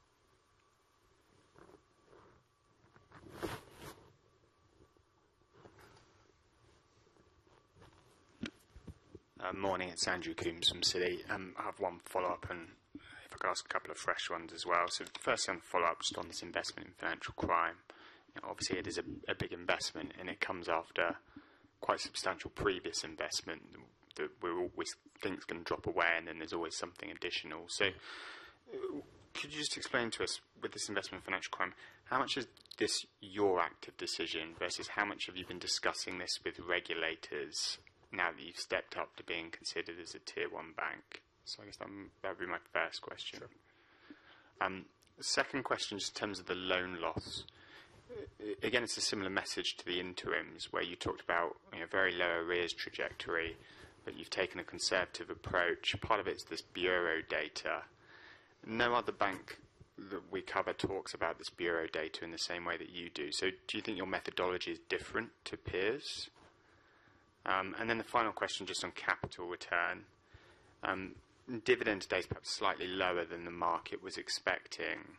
Morning, it's Andrew Coombs from Citi. I have one follow-up, and if I could ask a couple of fresh ones as well. So the first one follow-up, just on this investment in financial crime. Obviously, it is a big investment, and it comes after quite substantial previous investment, that we're always think it's gonna drop away, and then there's always something additional. So could you just explain to us, with this investment in financial crime, how much is this your active decision versus how much have you been discussing this with regulators now that you've stepped up to being considered as a Tier 1 bank? So I guess that'd be my first question. Sure. Second question, just in terms of the loan loss. Again, it's a similar message to the interims, where you talked about, you know, very low arrears trajectory, but you've taken a conservative approach. Part of it is this bureau data. No other bank that we cover talks about this bureau data in the same way that you do. So do you think your methodology is different to peers? And then the final question, just on capital return. Dividend today is perhaps slightly lower than the market was expecting,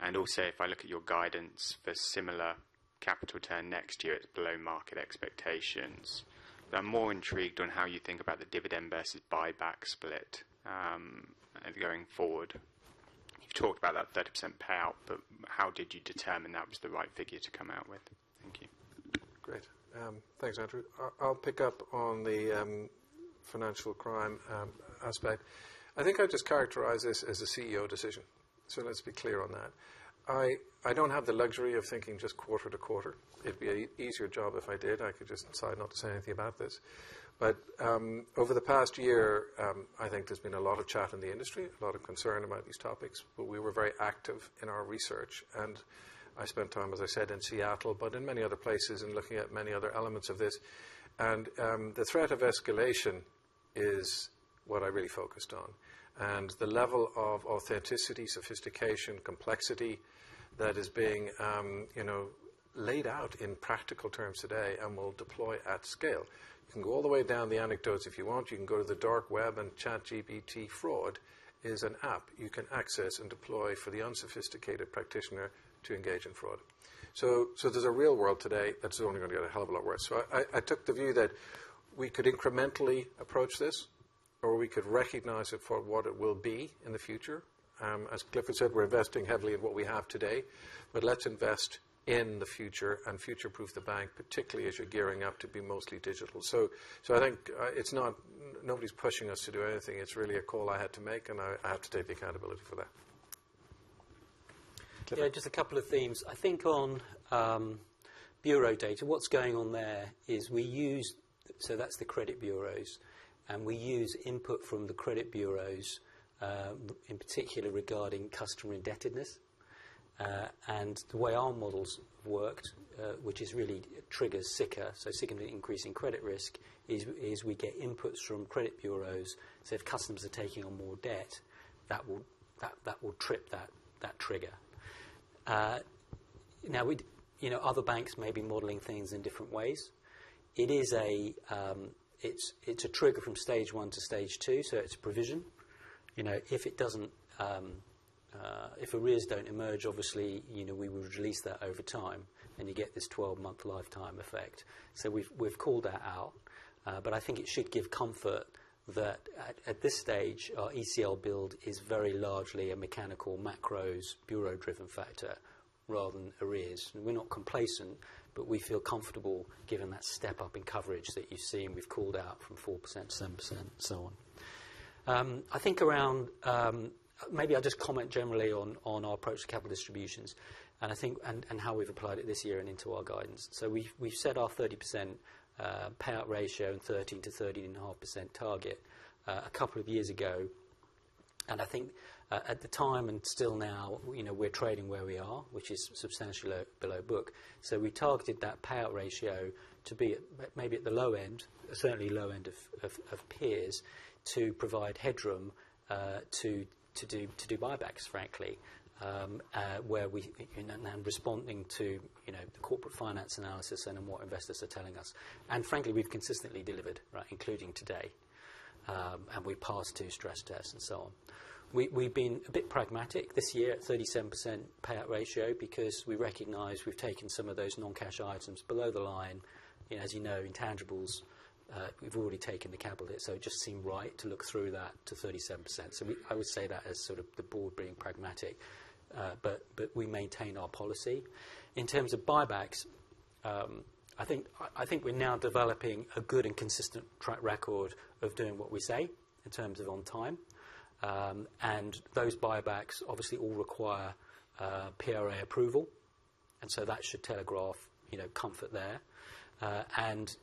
and also, if I look at your guidance for similar capital return next year, it's below market expectations. But I'm more intrigued on how you think about the dividend versus buyback split, going forward. You've talked about that 30% payout, but how did you determine that was the right figure to come out with? Thank you. Great. Thanks, Andrew. I, I'll pick up on the financial crime aspect. I think I'd just characterize this as a CEO decision, so let's be clear on that. I, I don't have the luxury of thinking just quarter to quarter. It'd be an easier job if I did. I could just decide not to say anything about this. But, over the past year, I think there's been a lot of chat in the industry, a lot of concern about these topics, but we were very active in our research. And I spent time, as I said, in Seattle, but in many other places, and looking at many other elements of this. The threat of escalation is what I really focused on, and the level of authenticity, sophistication, complexity that is being, you know, laid out in practical terms today and will deploy at scale. You can go all the way down the anecdotes if you want. You can go to the dark web and ChatGPT Fraud is an app you can access and deploy for the unsophisticated practitioner to engage in fraud. So, so there's a real world today that is only going to get a hell of a lot worse. So I, I took the view that we could incrementally approach this, or we could recognize it for what it will be in the future. As Clifford said, we're investing heavily in what we have today, but let's invest in the future and future-proof the bank, particularly as you're gearing up to be mostly digital. So, I think, it's not nobody's pushing us to do anything. It's really a call I had to make, and I, I have to take the accountability for that. Clifford? Yeah, just a couple of themes. I think on bureau data, what's going on there is we use. So that's the credit bureaus, and we use input from the credit bureaus in particular regarding customer indebtedness. And the way our models worked, which is really triggers SICR, so significantly increasing credit risk, is we get inputs from credit bureaus. So if customers are taking on more debt, that will trip that trigger. Now, we you know, other banks may be modeling things in different ways. It is a it's a trigger from Stage 1 to Stage 2, so it's a provision. You know, if it doesn't if arrears don't emerge, obviously, you know, we will release that over time, and you get this 12-month lifetime effect. So we've, we've called that out, but I think it should give comfort that at, at this stage, our ECL build is very largely a mechanical, macros, bureau-driven factor rather than arrears. And we're not complacent, but we feel comfortable given that step up in coverage that you've seen, we've called out, from 4%-7% and so on. I think around, maybe I'll just comment generally on our approach to capital distributions, and I think, and how we've applied it this year and into our guidance. So we, we've set our 30% payout ratio in 13%-13.5% target a couple of years ago, and I think at, at the time and still now, you know, we're trading where we are, which is substantially below book. So we targeted that payout ratio to be at, maybe at the low end, certainly low end of peers, to provide headroom, to do buybacks, frankly. And responding to, you know, corporate finance analysis and then what investors are telling us. And frankly, we've consistently delivered, right, including today, and we passed two stress tests and so on. We've been a bit pragmatic this year at 37% payout ratio because we recognize we've taken some of those non-cash items below the line. As you know, intangibles, we've already taken the capital hit, so it just seemed right to look through that to 37%. I would say that as sort of the Board being pragmatic, but we maintain our policy. In terms of buybacks, I think, I think we're now developing a good and consistent track record of doing what we say in terms of on time. And those buybacks obviously all require PRA approval, and so that should telegraph, you know, comfort there. And,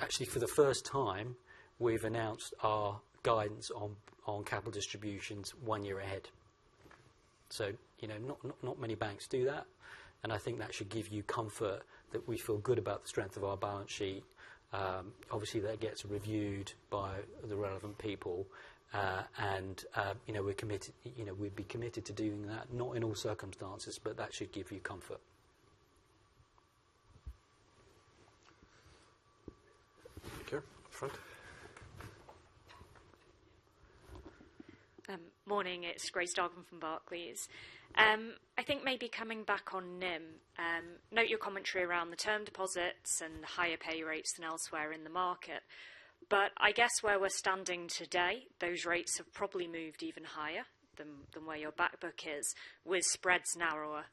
actually, for the first time, we've announced our guidance on, on capital distributions one year ahead. So, you know, not, not many banks do that, and I think that should give you comfort that we feel good about the strength of our balance sheet. Obviously, that gets reviewed by the relevant people, and, you know, we're committed, you know, we'd be committed to doing that, not in all circumstances, but that should give you comfort. Thank you. Front. Morning, it's Grace Dargan from Barclays. I think maybe coming back on NIM, note your commentary around the term deposits and the higher pay rates than elsewhere in the market. But I guess where we're standing today, those rates have probably moved even higher than where your back book is, with spreads narrower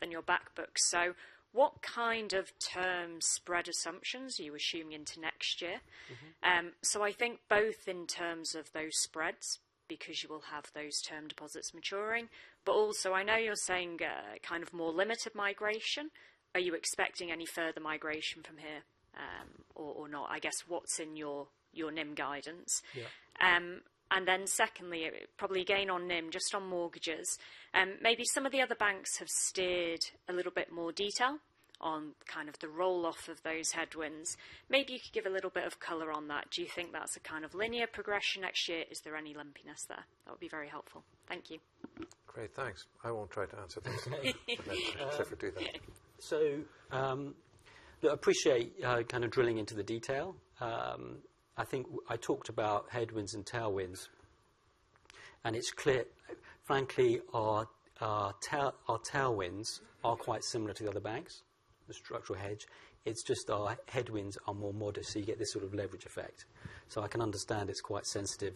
than your back book. So what kind of term spread assumptions are you assuming into next year? Mm-hmm. So I think both in terms of those spreads, because you will have those term deposits maturing, but also, I know you're saying kind of more limited migration. Are you expecting any further migration from here, or not? I guess, what's in your NIM guidance? Yeah. And then secondly, probably again, on NIM, just on mortgages, maybe some of the other banks have steered a little bit more detail on kind of the roll-off of those headwinds. Maybe you could give a little bit of color on that. Do you think that's a kind of linear progression next year? Is there any lumpiness there? That would be very helpful. Thank you. Great, thanks. I won't try to answer this. So if you do that. So, I appreciate kind of drilling into the detail. I think I talked about headwinds and tailwinds, and it's clear, frankly, our tailwinds are quite similar to the other banks, the structural hedge. It's just our headwinds are more modest, so you get this sort of leverage effect. So I can understand it's quite sensitive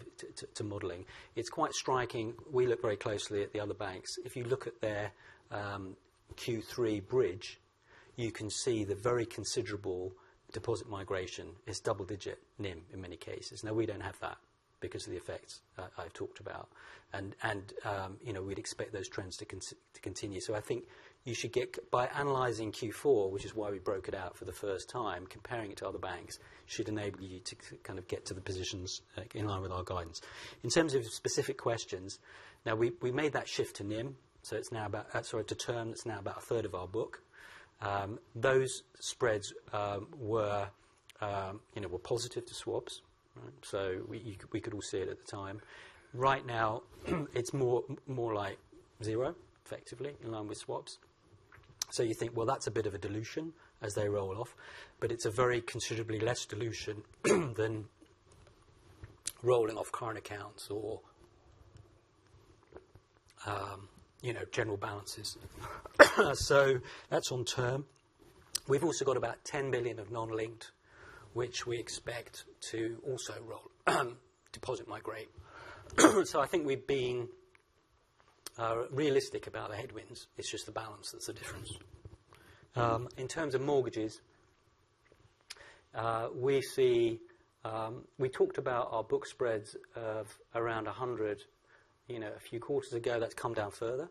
to modeling. It's quite striking. We look very closely at the other banks. If you look at their Q3 bridge, you can see the very considerable deposit migration is double-digit NIM in many cases. Now, we don't have that because of the effects I've talked about, and you know, we'd expect those trends to continue. So I think you should get... By analyzing Q4, which is why we broke it out for the first time, comparing it to other banks, should enable you to kind of get to the positions in line with our guidance. In terms of specific questions, now, we made that shift to NIM, so it's now about... Sorry, to term, it's now about a third of our book. Those spreads were, you know, were positive to swaps, right? So we could all see it at the time. Right now, it's more like zero, effectively, in line with swaps. So you think, "Well, that's a bit of a dilution as they roll off," but it's a very considerably less dilution than rolling off current accounts or, you know, general balances. So that's on term. We've also got about 10 billion of non-linked, which we expect to also roll, deposit migrate. So I think we've been realistic about the headwinds. It's just the balance that's the difference. In terms of mortgages, we see. We talked about our book spreads of around 100, you know, a few quarters ago. That's come down further.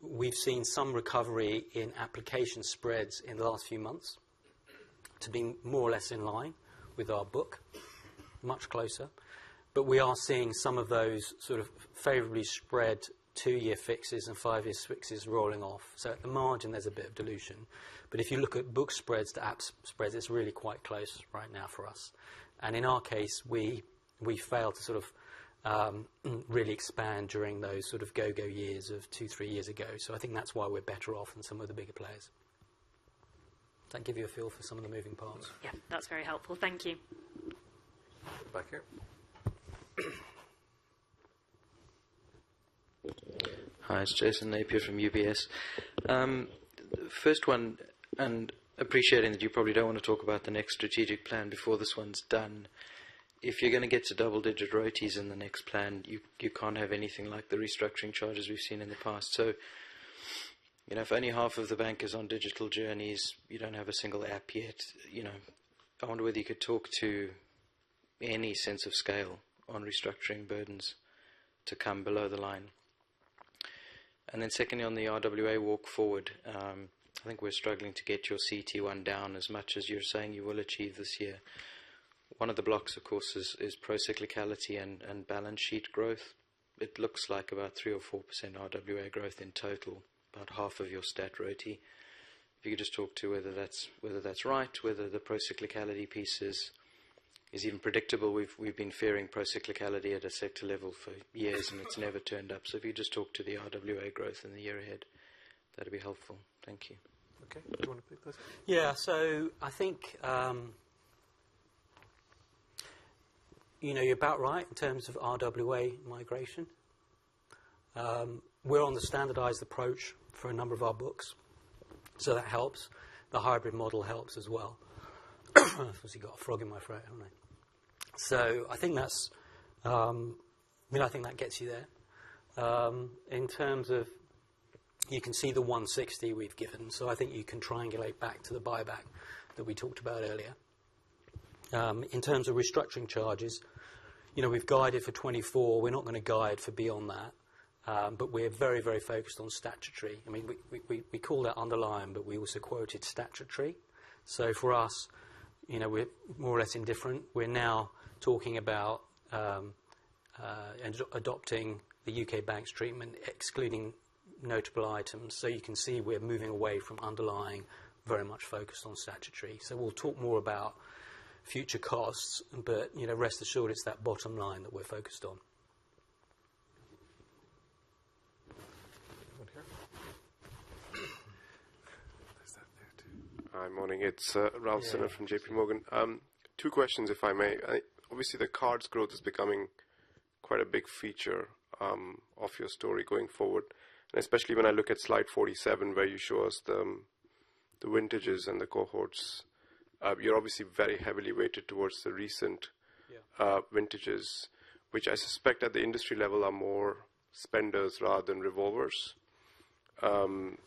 We've seen some recovery in application spreads in the last few months to being more or less in line with our book, much closer. But we are seeing some of those sort of favorably spread two year fixes and five year fixes rolling off. So at the margin, there's a bit of dilution. But if you look at book spreads to app spreads, it's really quite close right now for us. In our case, we failed to sort of really expand during those sort of go-go years of two, three years ago. So I think that's why we're better off than some of the bigger players. Does that give you a feel for some of the moving parts? Yeah, that's very helpful. Thank you. Back here. Hi, it's Jason Napier from UBS. First one, and appreciating that you probably don't want to talk about the next strategic plan before this one's done. If you're going to get to double-digit ROTEs in the next plan, you can't have anything like the restructuring charges we've seen in the past. So, you know, if only half of the bank is on digital journeys, you don't have a single app yet. You know, I wonder whether you could talk to any sense of scale on restructuring burdens to come below the line. And then secondly, on the RWA walk forward, I think we're struggling to get your CET1 down as much as you're saying you will achieve this year. One of the blocks, of course, is pro-cyclicality and balance sheet growth. It looks like about 3%-4% RWA growth in total, about half of your stat ROTE. If you could just talk to whether that's, whether that's right, whether the pro-cyclicality piece is, is even predictable. We've, we've been fearing pro-cyclicality at a sector level for years, and it's never turned up. So if you just talk to the RWA growth in the year ahead, that'd be helpful. Thank you. Okay. Do you wanna take this? Yeah, so I think, you know, you're about right in terms of RWA migration. We're on the standardized approach for a number of our books, so that helps. The hybrid model helps as well. Obviously, got a frog in my throat, haven't I? So I think that's, I mean, I think that gets you there. In terms of you can see the 160 we've given, so I think you can triangulate back to the buyback that we talked about earlier. In terms of restructuring charges, you know, we've guided for 24. We're not gonna guide for beyond that, but we're very, very focused on statutory. I mean, we call that underlying, but we also quoted statutory. So for us, you know, we're more or less indifferent. We're now talking about adopting the UK banks treatment, excluding notable items. So you can see, we're moving away from underlying, very much focused on statutory. So we'll talk more about future costs, but, you know, rest assured, it's that bottom line that we're focused on. Okey. Is that it? Hi, morning. It's Yeah. Rahul Sinha from JP Morgan. Two questions, if I may. I obviously, the cards growth is becoming quite a big feature of your story going forward, and especially when I look at Slide 47, where you show us the vintages and the cohorts. You're obviously very heavily weighted towards the recent. Yeah. Vintages, which I suspect at the industry level, are more spenders rather than revolvers.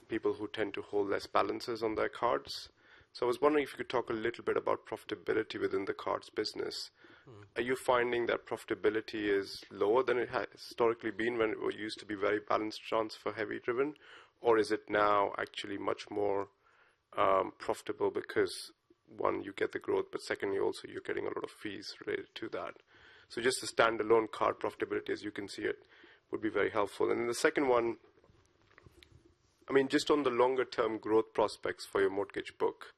People who tend to hold less balances on their cards. So I was wondering if you could talk a little bit about profitability within the cards business. Mm-hmm. Are you finding that profitability is lower than it has historically been, when it used to be very balance transfer-heavy driven? Or is it now actually much more profitable because, one, you get the growth, but secondly, also you're getting a lot of fees related to that. So just the standalone card profitability, as you can see it, would be very helpful. And then the second one, I mean, just on the longer term growth prospects for your mortgage book,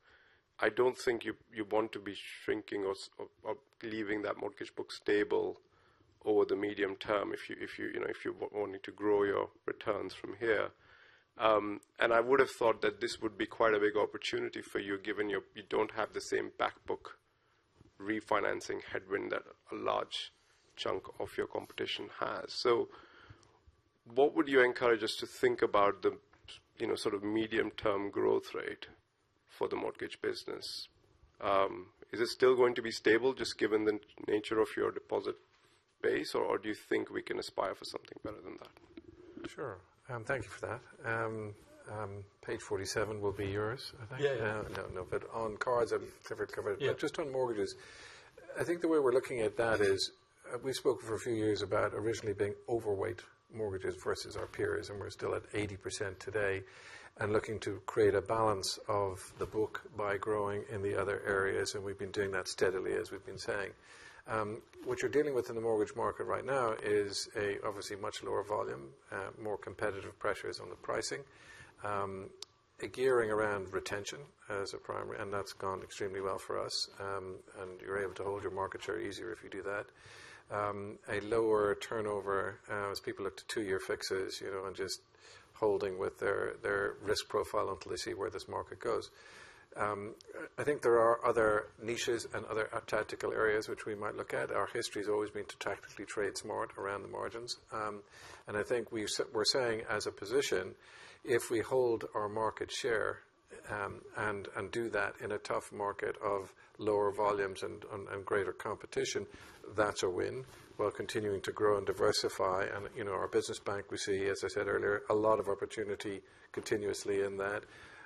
I don't think you, you'd want to be shrinking or leaving that mortgage book stable over the medium term, if you, you know, if you're wanting to grow your returns from here. And I would have thought that this would be quite a big opportunity for you, given you, you don't have the same back book refinancing headwind that a large chunk of your competition has. So what would you encourage us to think about the, you know, sort of medium-term growth rate for the mortgage business? Is it still going to be stable, just given the nature of your deposit base, or, or do you think we can aspire for something better than that? Sure. Thank you for that. Page 47 will be yours, I think? Yeah, yeah. Yeah. No, no, but on cards, I've covered, covered. Yeah, Just on mortgages. I think the way we're looking at that is, we spoke for a few years about originally being overweight mortgages versus our peers, and we're still at 80% today, and looking to create a balance of the book by growing in the other areas. We've been doing that steadily, as we've been saying. What you're dealing with in the mortgage market right now is obviously much lower volume, more competitive pressures on the pricing. A gearing around retention as a primary, and that's gone extremely well for us. And you're able to hold your market share easier if you do that. A lower turnover, as people look to two-year fixes, you know, and just holding with their risk profile until they see where this market goes. I think there are other niches and other tactical areas which we might look at. Our history has always been to tactically trade smart around the margins. And I think we're saying as a position, if we hold our market share, and do that in a tough market of lower volumes and greater competition, that's a win, while continuing to grow and diversify. And, you know, our business bank, we see, as I said earlier, a lot of opportunity continuously in that.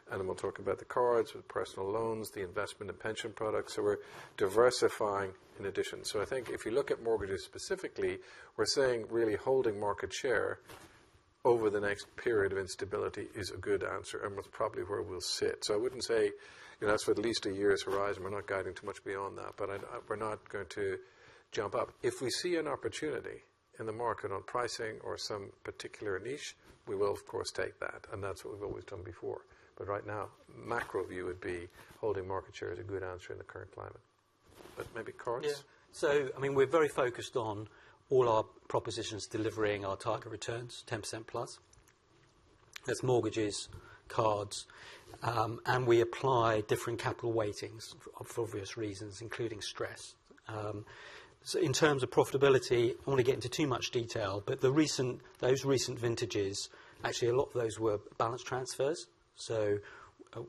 And then we'll talk about the cards, the personal loans, the investment and pension products. So we're diversifying in addition. So I think if you look at mortgages specifically, we're saying really holding market share over the next period of instability is a good answer and was probably where we'll sit. So I wouldn't say, you know, that's for at least a year's horizon. We're not guiding too much beyond that, but I'd... We're not going to jump up. If we see an opportunity in the market on pricing or some particular niche, we will, of course, take that, and that's what we've always done before. But right now, macro view would be holding market share is a good answer in the current climate. But maybe cards? Yeah. So I mean, we're very focused on all our propositions, delivering our target returns, 10% plus. That's mortgages, cards, and we apply different capital weightings for obvious reasons, including stress. So in terms of profitability, I won't get into too much detail, but the recent those recent vintages, actually, a lot of those were balance transfers. So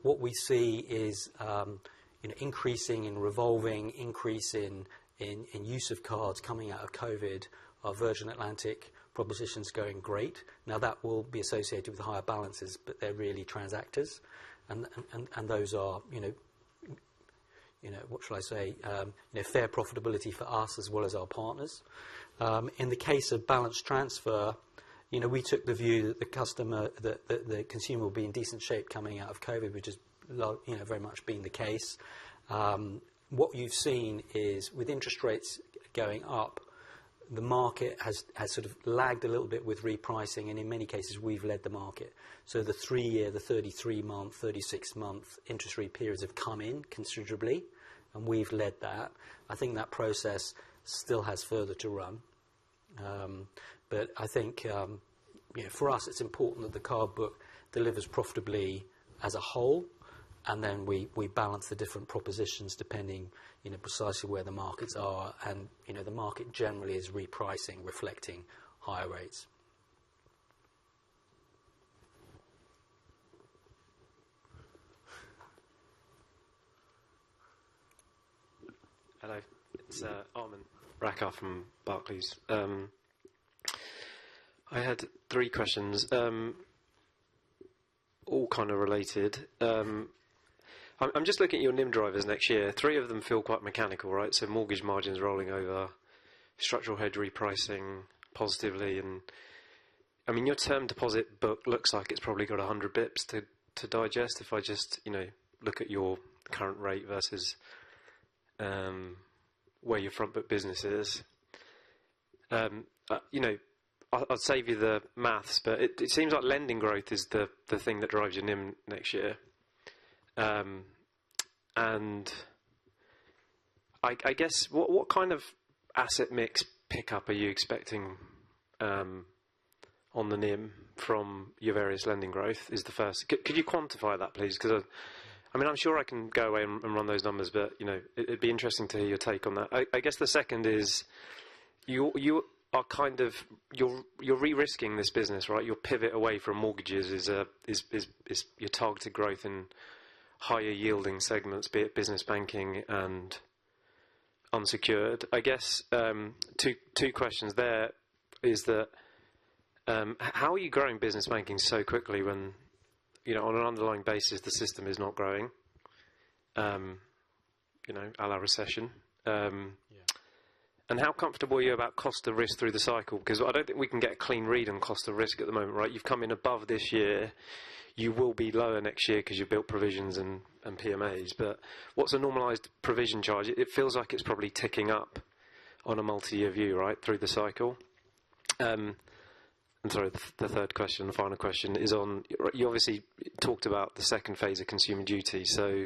what we see is an increasing and revolving increase in use of cards coming out of COVID. Our Virgin Atlantic proposition's going great. Now, that will be associated with the higher balances, but they're really transactors. And those are, you know, you know, what shall I say? A fair profitability for us as well as our partners. In the case of balance transfer, you know, we took the view that the customer, that the consumer will be in decent shape coming out of COVID, which has, you know, very much been the case. What you've seen is with interest rates going up, the market has sort of lagged a little bit with repricing, and in many cases, we've led the market. So the three year, the 33-month, 36-month interest rate periods have come in considerably, and we've led that. I think that process still has further to run. But I think, you know, for us, it's important that the card book delivers profitably as a whole, and then we balance the different propositions depending, you know, precisely where the markets are. And, you know, the market generally is repricing, reflecting higher rates. Hello, it's Aman Rakkar from Barclays. I had three questions, all kind of related. I'm just looking at your NIM drivers next year. Three of them feel quite mechanical, right? So mortgage margins rolling over, structural hedge repricing positively, and, I mean, your term deposit book looks like it's probably got 100 bps to digest. If I just, you know, look at your current rate versus where your front book business is. You know, I'll save you the math, but it seems like lending growth is the thing that drives your NIM next year. And I guess, what kind of asset mix pickup are you expecting on the NIM from your various lending growth, is the first. Could you quantify that, please? 'Cause, I mean, I'm sure I can go away and run those numbers, but, you know, it'd be interesting to hear your take on that. I guess the second is, you are kind of... You're re-risking this business, right? Your pivot away from mortgages is your targeted growth in higher yielding segments, be it business banking and unsecured. I guess, two questions there, is that, how are you growing business banking so quickly when, you know, on an underlying basis, the system is not growing, you know, à la recession? Yeah. How comfortable are you about cost and risk through the cycle? 'Cause I don't think we can get a clean read on cost and risk at the moment, right? You've come in above this year. You will be lower next year because you built provisions and PMAs, but what's a normalized provision charge? It feels like it's probably ticking up on a multi-year view, right, through the cycle. I'm sorry, the third question, the final question, is on... You obviously talked about the second phase of Consumer Duty, so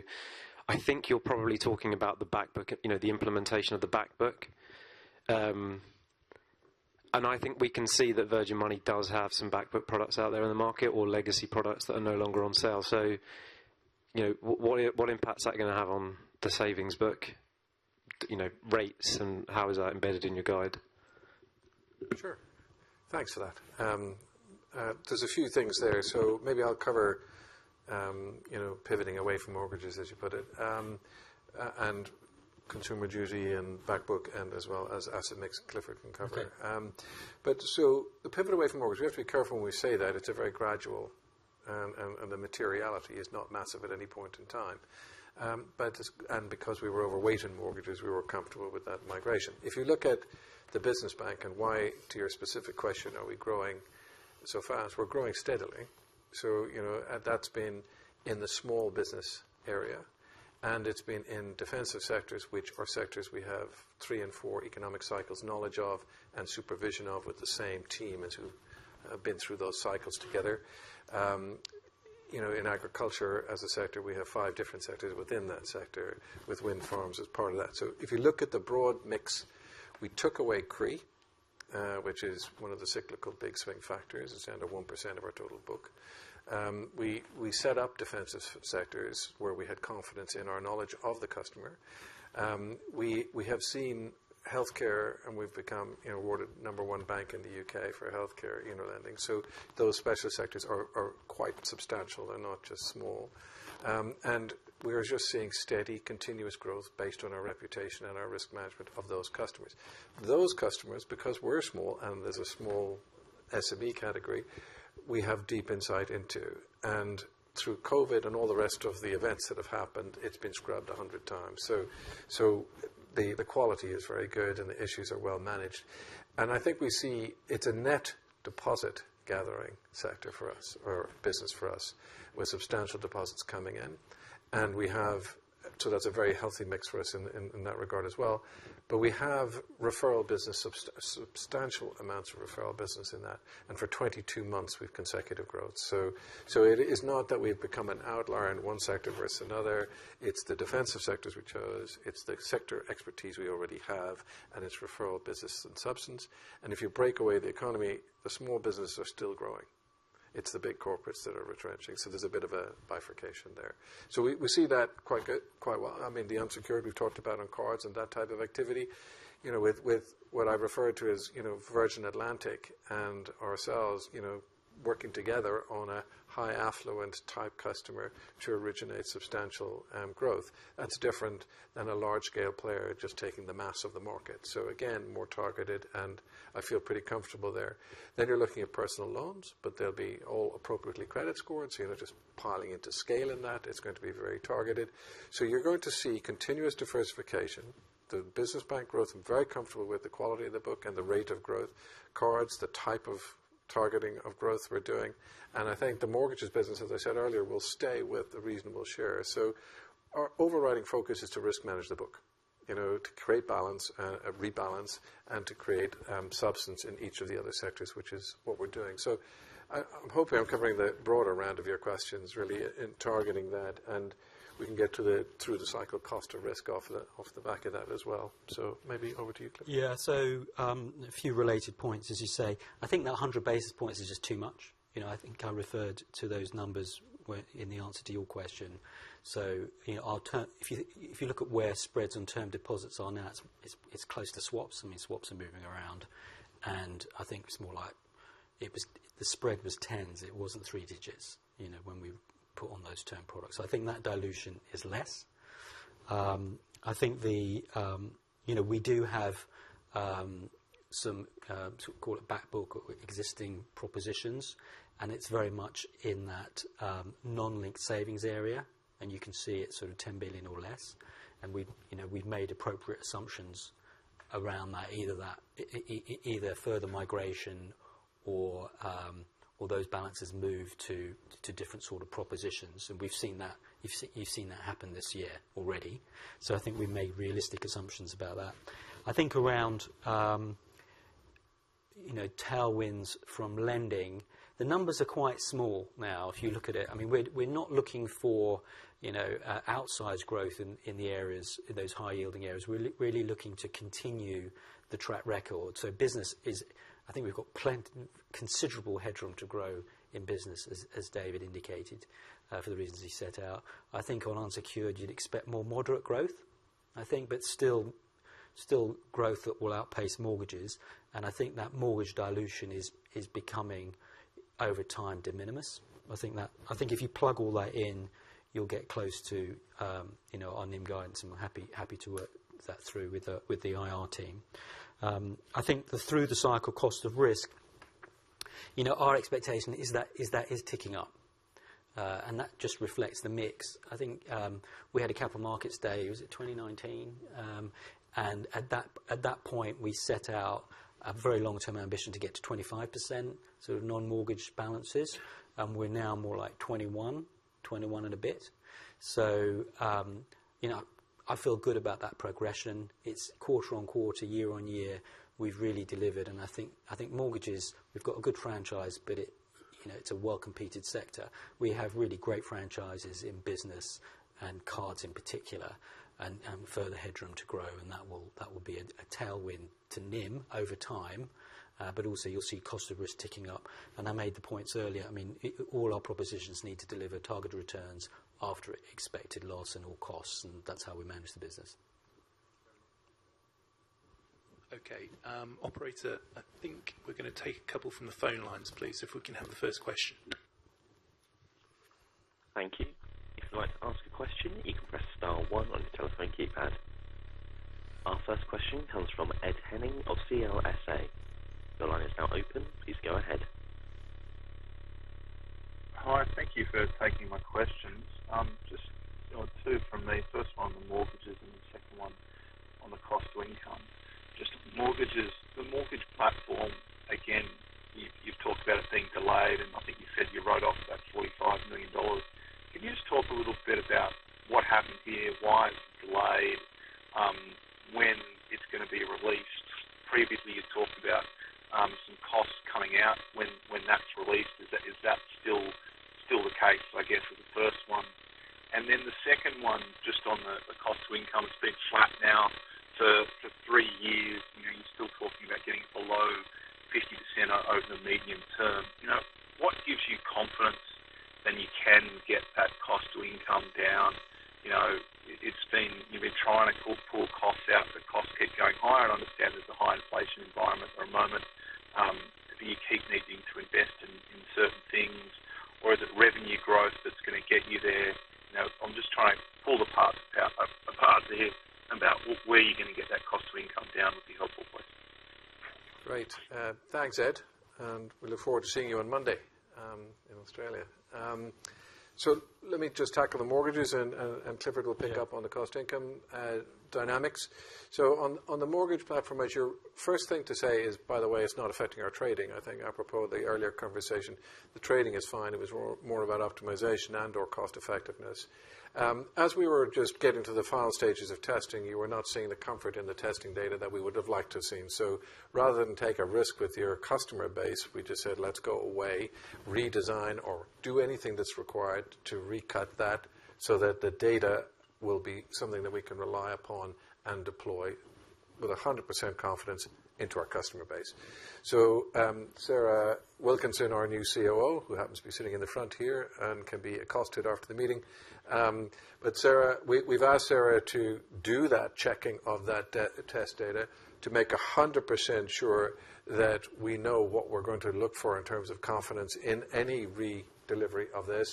I think you're probably talking about the back book, you know, the implementation of the back book. And I think we can see that Virgin Money does have some back book products out there in the market or legacy products that are no longer on sale. So, you know, what, what impact is that gonna have on the savings book, you know, rates, and how is that embedded in your guide? Sure. Thanks for that. There's a few things there, so maybe I'll cover, you know, pivoting away from mortgages, as you put it, and consumer duty and back book and as well as asset mix, Clifford can cover. Okay. But so the pivot away from mortgage, we have to be careful when we say that. It's a very gradual, and the materiality is not massive at any point in time. But because we were overweight in mortgages, we were comfortable with that migration. If you look at the business bank and why, to your specific question, are we growing so fast? We're growing steadily. So, you know, and that's been in the small business area, and it's been in defensive sectors, which are sectors we have three and four economic cycles, knowledge of and supervision of, with the same team as who have been through those cycles together. You know, in agriculture, as a sector, we have five different sectors within that sector, with wind farms as part of that. So if you look at the broad mix, we took away CRE, which is one of the cyclical big swing factors. It's under 1% of our total book. We set up defensive sectors where we had confidence in our knowledge of the customer. We have seen healthcare, and we've become awarded number one bank in the UK for healthcare, you know, lending. So those special sectors are quite substantial. They're not just small. And we are just seeing steady, continuous growth based on our reputation and our risk management of those customers. Those customers, because we're small and there's a small SME category, we have deep insight into. And through COVID and all the rest of the events that have happened, it's been scrubbed 100 times. So the quality is very good, and the issues are well managed. I think we see it's a net deposit gathering sector for us or business for us, with substantial deposits coming in. So that's a very healthy mix for us in that regard as well. But we have referral business, substantial amounts of referral business in that, and for 22 months, with consecutive growth. So it is not that we've become an outlier in one sector versus another. It's the defensive sectors we chose, it's the sector expertise we already have, and it's referral business and substance. And if you break away the economy, the small businesses are still growing. It's the big corporates that are retrenching, so there's a bit of a bifurcation there. So we see that quite good, quite well. I mean, the unsecured we've talked about on cards and that type of activity, you know, with, with what I've referred to as, you know, Virgin Atlantic and ourselves, you know, working together on a high affluent type customer to originate substantial growth. That's different than a large scale player just taking the mass of the market. So again, more targeted, and I feel pretty comfortable there. Then you're looking at personal loans, but they'll be all appropriately credit scored, so you're not just piling into scale in that. It's going to be very targeted. So you're going to see continuous diversification. The business bank growth, I'm very comfortable with the quality of the book and the rate of growth. Cards, the type of targeting of growth we're doing, and I think the mortgages business, as I said earlier, will stay with a reasonable share. So our overriding focus is to risk manage the book, you know, to create balance and, and rebalance and to create substance in each of the other sectors, which is what we're doing. So I, I'm hoping I'm covering the broader round of your questions, really, in targeting that, and we can get to the through the cycle cost of risk off the, off the back of that as well. So maybe over to you, Clifford. Yeah. So, a few related points, as you say. I think that 100 basis points is just too much. You know, I think I referred to those numbers where, in the answer to your question. So, you know, I'll turn. If you, if you look at where spreads and term deposits are now, it's, it's close to swaps. I mean, swaps are moving around, and I think it's more like it was, the spread was tens, it wasn't three digits, you know, when we put on those term products. I think that dilution is less. I think the, you know, we do have some, call it back book or existing propositions, and it's very much in that, non-linked savings area, and you can see it's sort of 10 billion or less. And we've, you know, we've made appropriate assumptions around that, either that, either further migration or, or those balances move to, to different sort of propositions. And we've seen that, you've seen that happen this year already. So I think we've made realistic assumptions about that. I think around, you know, tailwinds from lending, the numbers are quite small now, if you look at it. I mean, we're not looking for, you know, outsized growth in the areas, in those high-yielding areas. We're really looking to continue the track record. So business is... I think we've got plenty, considerable headroom to grow in business, as David indicated, for the reasons he set out. I think on unsecured, you'd expect more moderate growth, I think, but still growth that will outpace mortgages. I think that mortgage dilution is, is becoming, over time, de minimis. I think that—I think if you plug all that in, you'll get close to, you know, our NIM guidance, and we're happy, happy to work that through with the IR team. I think through the cycle cost of risk, you know, our expectation is that, is that is ticking up, and that just reflects the mix. I think, we had a Capital Markets Day, was it 2019? And at that, at that point, we set out a very long-term ambition to get to 25% sort of non-mortgage balances, and we're now more like 21, 21 and a bit. So, you know, I feel good about that progression. It's quarter-on-quarter, year-on-year, we've really delivered, and I think, I think mortgages, we've got a good franchise, but it, you know, it's a well-competed sector. We have really great franchises in business and cards in particular, and further headroom to grow, and that will, that will be a tailwind to NIM over time. But also you'll see cost of risk ticking up. And I made the points earlier, I mean, it, all our propositions need to deliver targeted returns after expected loss and all costs, and that's how we manage the business. Okay, operator, I think we're gonna take a couple from the phone lines, please, if we can have the first question. Thank you. If you'd like to ask a question, you can press star one on your telephone keypad. Our first question comes from Ed Henning of CLSA. Your line is now open. Please go ahead. Hi, thank you for taking my questions. Just two from me. First one on mortgages and the second one on the cost to income. Just mortgages, the mortgage platform, again, you've talked about it being delayed, and I think you said you wrote off about $45 million. Can you just talk a little bit about what happened here? Why it's delayed? When it's gonna be released? Previously, you talked about some costs coming out. When that's released, is that still the case, I guess, for the first one? And then the second one, just on the cost to income, it's been flat now for three years. You know, you're still talking about getting below 50% over the medium term. You know, what gives you confidence that you can get that cost to income down? You know, it's been-- you've been trying to pull costs out, but costs keep going higher. I understand there's a high inflation environment for a moment. Do you keep needing to invest in certain things, or is it revenue growth that's gonna get you there? You know, I'm just trying to pull apart here about where you're gonna get that cost to income down would be helpful for you. Great. Thanks, Ed, and we look forward to seeing you on Monday in Australia. So let me just tackle the mortgages, and Clifford will pick up. Yeah. On the cost income dynamics. So on the mortgage platform, as your first thing to say is, by the way, it's not affecting our trading. I think apropos the earlier conversation, the trading is fine. It was more about optimization and/or cost effectiveness. As we were just getting to the final stages of testing, you were not seeing the comfort in the testing data that we would have liked to have seen. So rather than take a risk with your customer base, we just said, "Let's go away, redesign, or do anything that's required to recut that, so that the data will be something that we can rely upon and deploy."... with 100% confidence into our customer base. So Sarah Wilkinson, our new COO, who happens to be sitting in the front here and can be accosted after the meeting. But Sarah, we, we've asked Sarah to do that checking of that test data to make 100% sure that we know what we're going to look for in terms of confidence in any redelivery of this,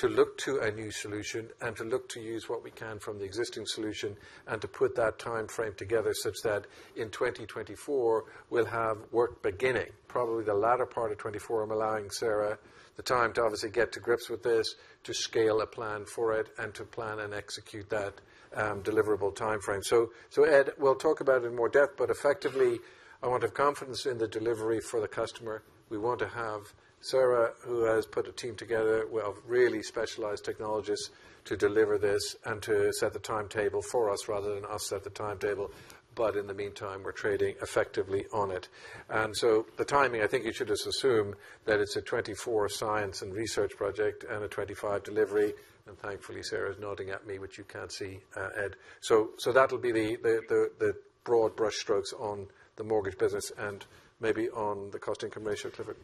to look to a new solution, and to look to use what we can from the existing solution, and to put that time frame together such that in 2024, we'll have work beginning. Probably the latter part of 2024. I'm allowing Sarah the time to obviously get to grips with this, to scale a plan for it, and to plan and execute that deliverable time frame. So, so Ed, we'll talk about it in more depth, but effectively, I want to have confidence in the delivery for the customer. We want to have Sarah, who has put a team together of really specialized technologists, to deliver this and to set the timetable for us rather than us set the timetable. But in the meantime, we're trading effectively on it. And so the timing, I think you should just assume that it's a 2024 science and research project and a 2025 delivery. And thankfully, Sarah's nodding at me, which you can't see, Ed. So that'll be the broad brushstrokes on the mortgage business and maybe on the cost income ratio, Clifford.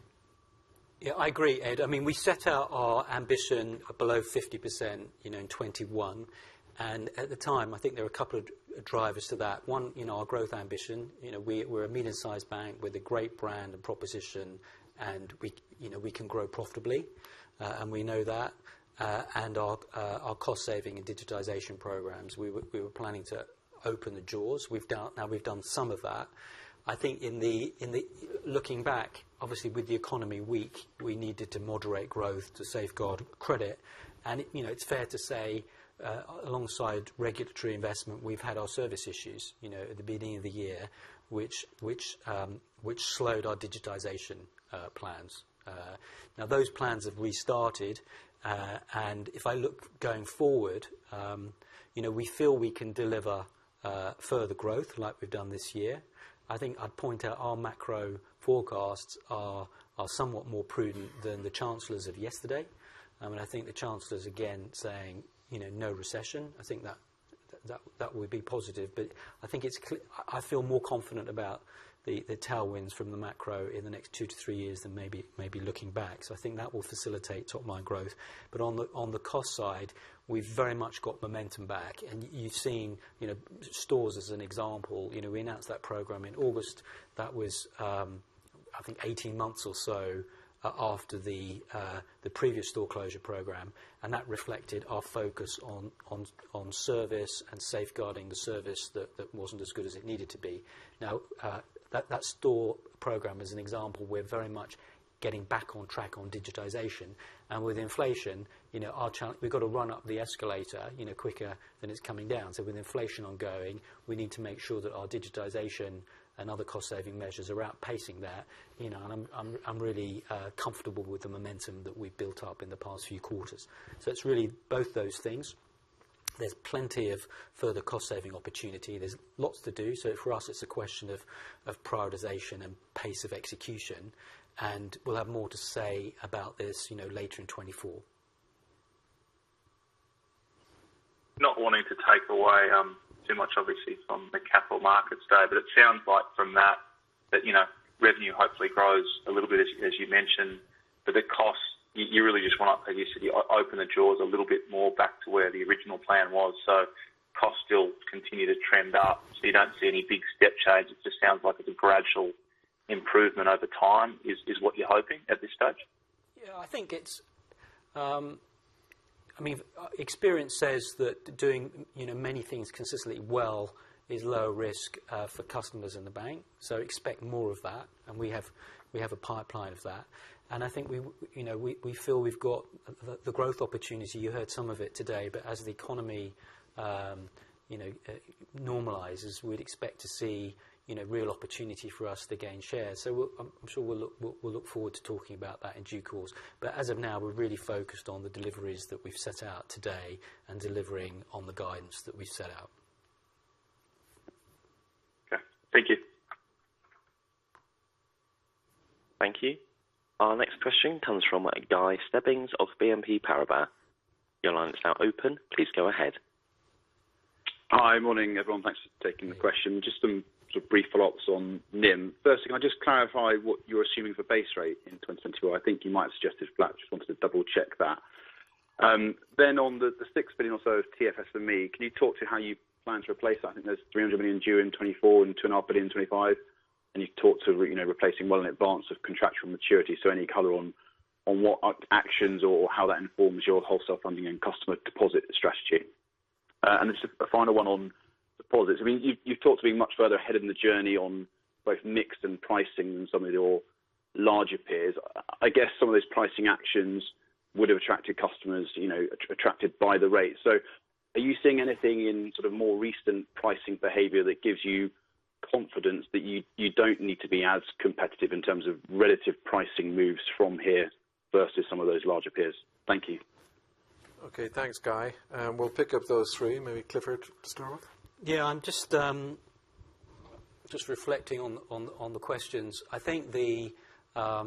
Yeah, I agree, Ed. I mean, we set out our ambition below 50%, you know, in 2021, and at the time, I think there were a couple of drivers to that. One, you know, our growth ambition. You know, we, we're a medium-sized bank with a great brand and proposition, and we, you know, we can grow profitably, and we know that. And our cost saving and digitization programs, we were planning to open the doors. We've done... Now, we've done some of that. I think, looking back, obviously, with the economy weak, we needed to moderate growth to safeguard credit. And, you know, it's fair to say, alongside regulatory investment, we've had our service issues, you know, at the beginning of the year, which slowed our digitization plans. Now, those plans have restarted, and if I look going forward, you know, we feel we can deliver further growth like we've done this year. I think I'd point out our macro forecasts are somewhat more prudent than the Chancellor's of yesterday. I mean, I think the Chancellor's, again, saying, you know, no recession. I think that would be positive. But I think I feel more confident about the tailwinds from the macro in the next two to three years than maybe looking back. So I think that will facilitate top-line growth. But on the cost side, we've very much got momentum back, and you've seen, you know, stores as an example. You know, we announced that program in August. That was, I think 18 months or so, after the previous store closure program, and that reflected our focus on service and safeguarding the service that wasn't as good as it needed to be. Now, that store program is an example. We're very much getting back on track on digitization, and with inflation, you know, our chance—we've got to run up the escalator, you know, quicker than it's coming down. So with inflation ongoing, we need to make sure that our digitization and other cost-saving measures are outpacing that, you know. And I'm really comfortable with the momentum that we've built up in the past few quarters. So it's really both those things. There's plenty of further cost-saving opportunity. There's lots to do. For us, it's a question of prioritization and pace of execution, and we'll have more to say about this, you know, later in 2024. Not wanting to take away too much, obviously, from the Capital Markets Day, but it sounds like from that, you know, revenue hopefully grows a little bit, as you mentioned. But the costs, you really just want to, you said, open the doors a little bit more back to where the original plan was. So costs still continue to trend up, so you don't see any big step change. It just sounds like it's a gradual improvement over time is what you're hoping at this stage? Yeah, I think it's, I mean, experience says that doing, you know, many things consistently well is low risk for customers in the bank. So expect more of that, and we have, we have a pipeline of that. And I think we, you know, we, we feel we've got the, the growth opportunity. You heard some of it today, but as the economy, you know, normalizes, we'd expect to see, you know, real opportunity for us to gain share. So I'm, I'm sure we'll look, we'll look forward to talking about that in due course. But as of now, we're really focused on the deliveries that we've set out today and delivering on the guidance that we set out. Okay. Thank you. Thank you. Our next question comes from Guy Stebbings of BNP Paribas. Your line is now open. Please go ahead. Hi, morning, everyone. Thanks for taking the question. Just some sort of brief follow-ups on NIM. First, can I just clarify what you're assuming for base rate in 2024? I think you might have suggested flat. Just wanted to double check that. Then on the, the six billion or so TFSME, can you talk to how you plan to replace that? I think there's 300 million due in 2024 and 2.5 billion in 2025, and you've talked to, you know, replacing well in advance of contractual maturity. So any color on, on what are actions or how that informs your wholesale funding and customer deposit strategy? And just a final one on deposits. I mean, you've, you've talked to being much further ahead in the journey on both mix and pricing than some of your larger peers. I guess some of those pricing actions would have attracted customers, you know, attracted by the rate. So are you seeing anything in sort of more recent pricing behavior that gives you confidence that you don't need to be as competitive in terms of relative pricing moves from here versus some of those larger peers? Thank you. Okay. Thanks, Guy. We'll pick up those three. Maybe Clifford to start off? Yeah, I'm just reflecting on the questions. I think, yeah,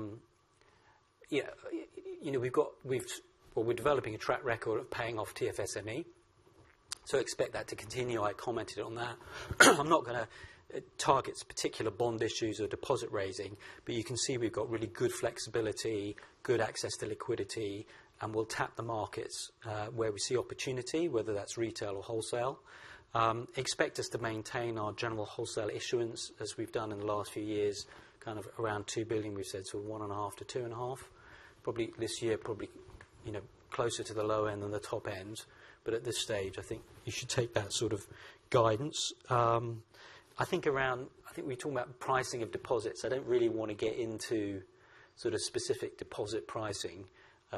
you know, we've got—we've, well, we're developing a track record of paying off TFSME, so expect that to continue. I commented on that. I'm not gonna target particular bond issues or deposit raising, but you can see we've got really good flexibility, good access to liquidity, and we'll tap the markets, where we see opportunity, whether that's retail or wholesale. Expect us to maintain our general wholesale issuance, as we've done in the last few years, kind of around 2 billion, we've said, so 1.5 billion-2.5 billion. Probably this year, probably, you know, closer to the low end than the top end. But at this stage, I think you should take that sort of guidance. I think we talked about pricing of deposits. I don't really want to get into sort of specific deposit pricing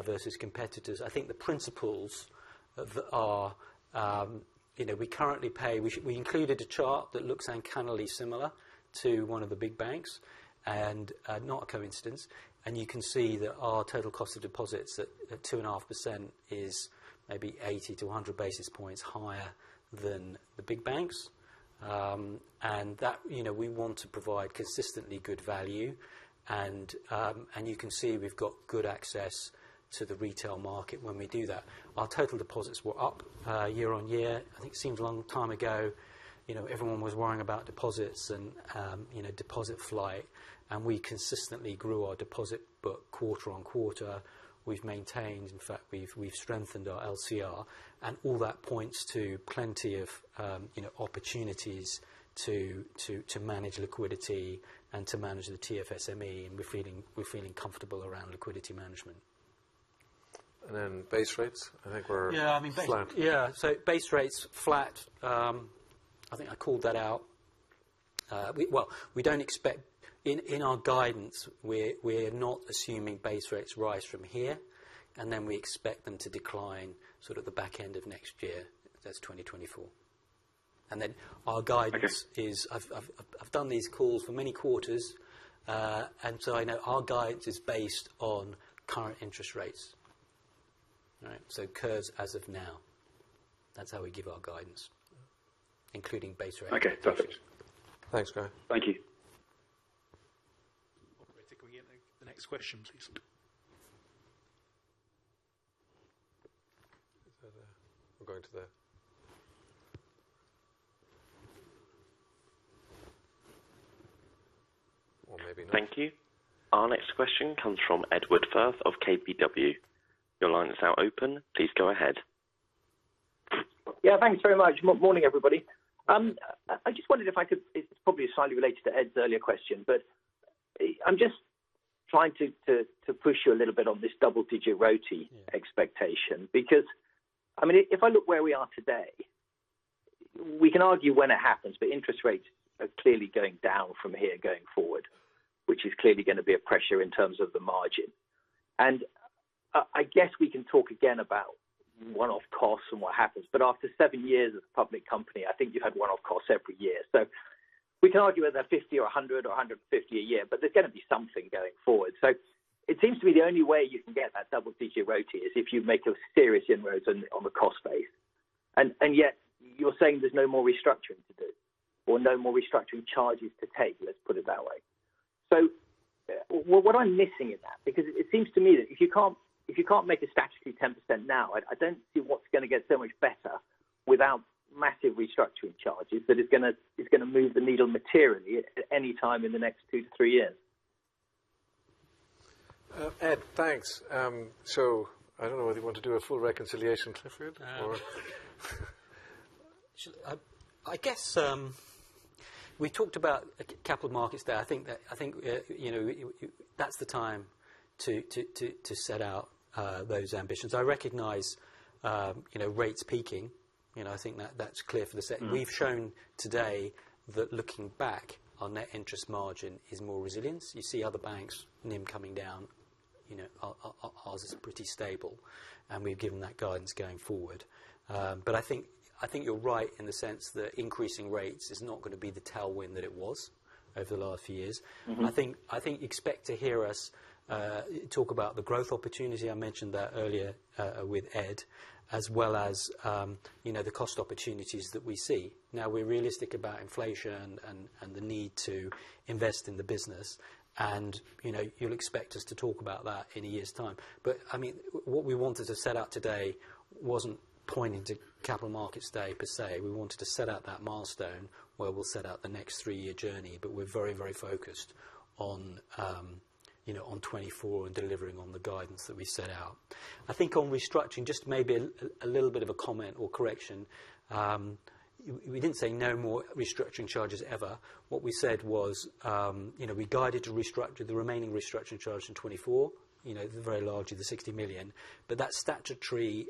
versus competitors. I think the principles are, you know, we currently pay... We included a chart that looks uncannily similar to one of the big banks, and not a coincidence. You can see that our total cost of deposits at 2.5% is maybe 80-100 basis points higher than the big banks. And that, you know, we want to provide consistently good value, and you can see we've got good access to the retail market when we do that. Our total deposits were up year-on-year. I think it seems a long time ago, you know, everyone was worrying about deposits and, you know, deposit flight, and we consistently grew our deposit book quarter on quarter. We've maintained, in fact, we've strengthened our LCR, and all that points to plenty of, you know, opportunities to manage liquidity and to manage the TFSME, and we're feeling comfortable around liquidity management. And then base rates? I think we're. Yeah, I mean. Flat. Yeah, so base rates flat. I think I called that out. Well, we don't expect. In our guidance, we're not assuming base rates rise from here, and then we expect them to decline sort of the back end of next year. That's 2024. And then our guidance. Okay. I've done these calls for many quarters, and so I know our guidance is based on current interest rates. All right? So curves as of now, that's how we give our guidance, including base rate. Okay, perfect. Thanks, Guy. Thank you. Operator, can we get the next question, please? Is that... We're going to the... Or maybe not. Thank you. Our next question comes from Edward Firth of KBW. Your line is now open. Please go ahead. Yeah, thanks very much. Morning, everybody. I just wondered if I could—it's probably slightly related to Ed's earlier question, but I'm just trying to push you a little bit on this double digit ROTE expectation. Yeah. Because, I mean, if I look where we are today, we can argue when it happens, but interest rates are clearly going down from here going forward, which is clearly going to be a pressure in terms of the margin. And I guess we can talk again about one-off costs and what happens, but after seven years as a public company, I think you've had one-off costs every year. So we can argue whether 50 or 100 or 150 a year, but there's going to be something going forward. So it seems to me the only way you can get that double figure ROTE is if you make a serious inroads on the cost base. And yet you're saying there's no more restructuring to do or no more restructuring charges to take, let's put it that way. So what am I missing in that? Because it seems to me that if you can't, if you can't make a statutory 10% now, I, I don't see what's going to get so much better without massive restructuring charges, that is gonna, is gonna move the needle materially at any time in the next two to three years. Ed, thanks. So I don't know whether you want to do a full reconciliation, Clifford, or. I guess we talked about capital markets there. I think that, I think you know, that's the time to set out those ambitions. I recognize you know, rates peaking, you know, I think that's clear for the set. Mm-hmm. We've shown today that looking back, our net interest margin is more resilient. You see other banks, NIM coming down. You know, ours is pretty stable, and we've given that guidance going forward. But I think you're right in the sense that increasing rates is not going to be the tailwind that it was over the last few years. Mm-hmm. I think, I think expect to hear us talk about the growth opportunity. I mentioned that earlier with Ed, as well as, you know, the cost opportunities that we see. Now, we're realistic about inflation and the need to invest in the business. And, you know, you'll expect us to talk about that in a year's time. But, I mean, what we wanted to set out today wasn't pointing to Capital Markets Day per se. We wanted to set out that milestone, where we'll set out the next three-year journey, but we're very, very focused on, you know, on 2024 and delivering on the guidance that we set out. I think on restructuring, just maybe a little bit of a comment or correction. We didn't say no more restructuring charges ever. What we said was, you know, we guided to restructure the remaining restructuring charge in 2024, you know, the very large of the 60 million. But that statutory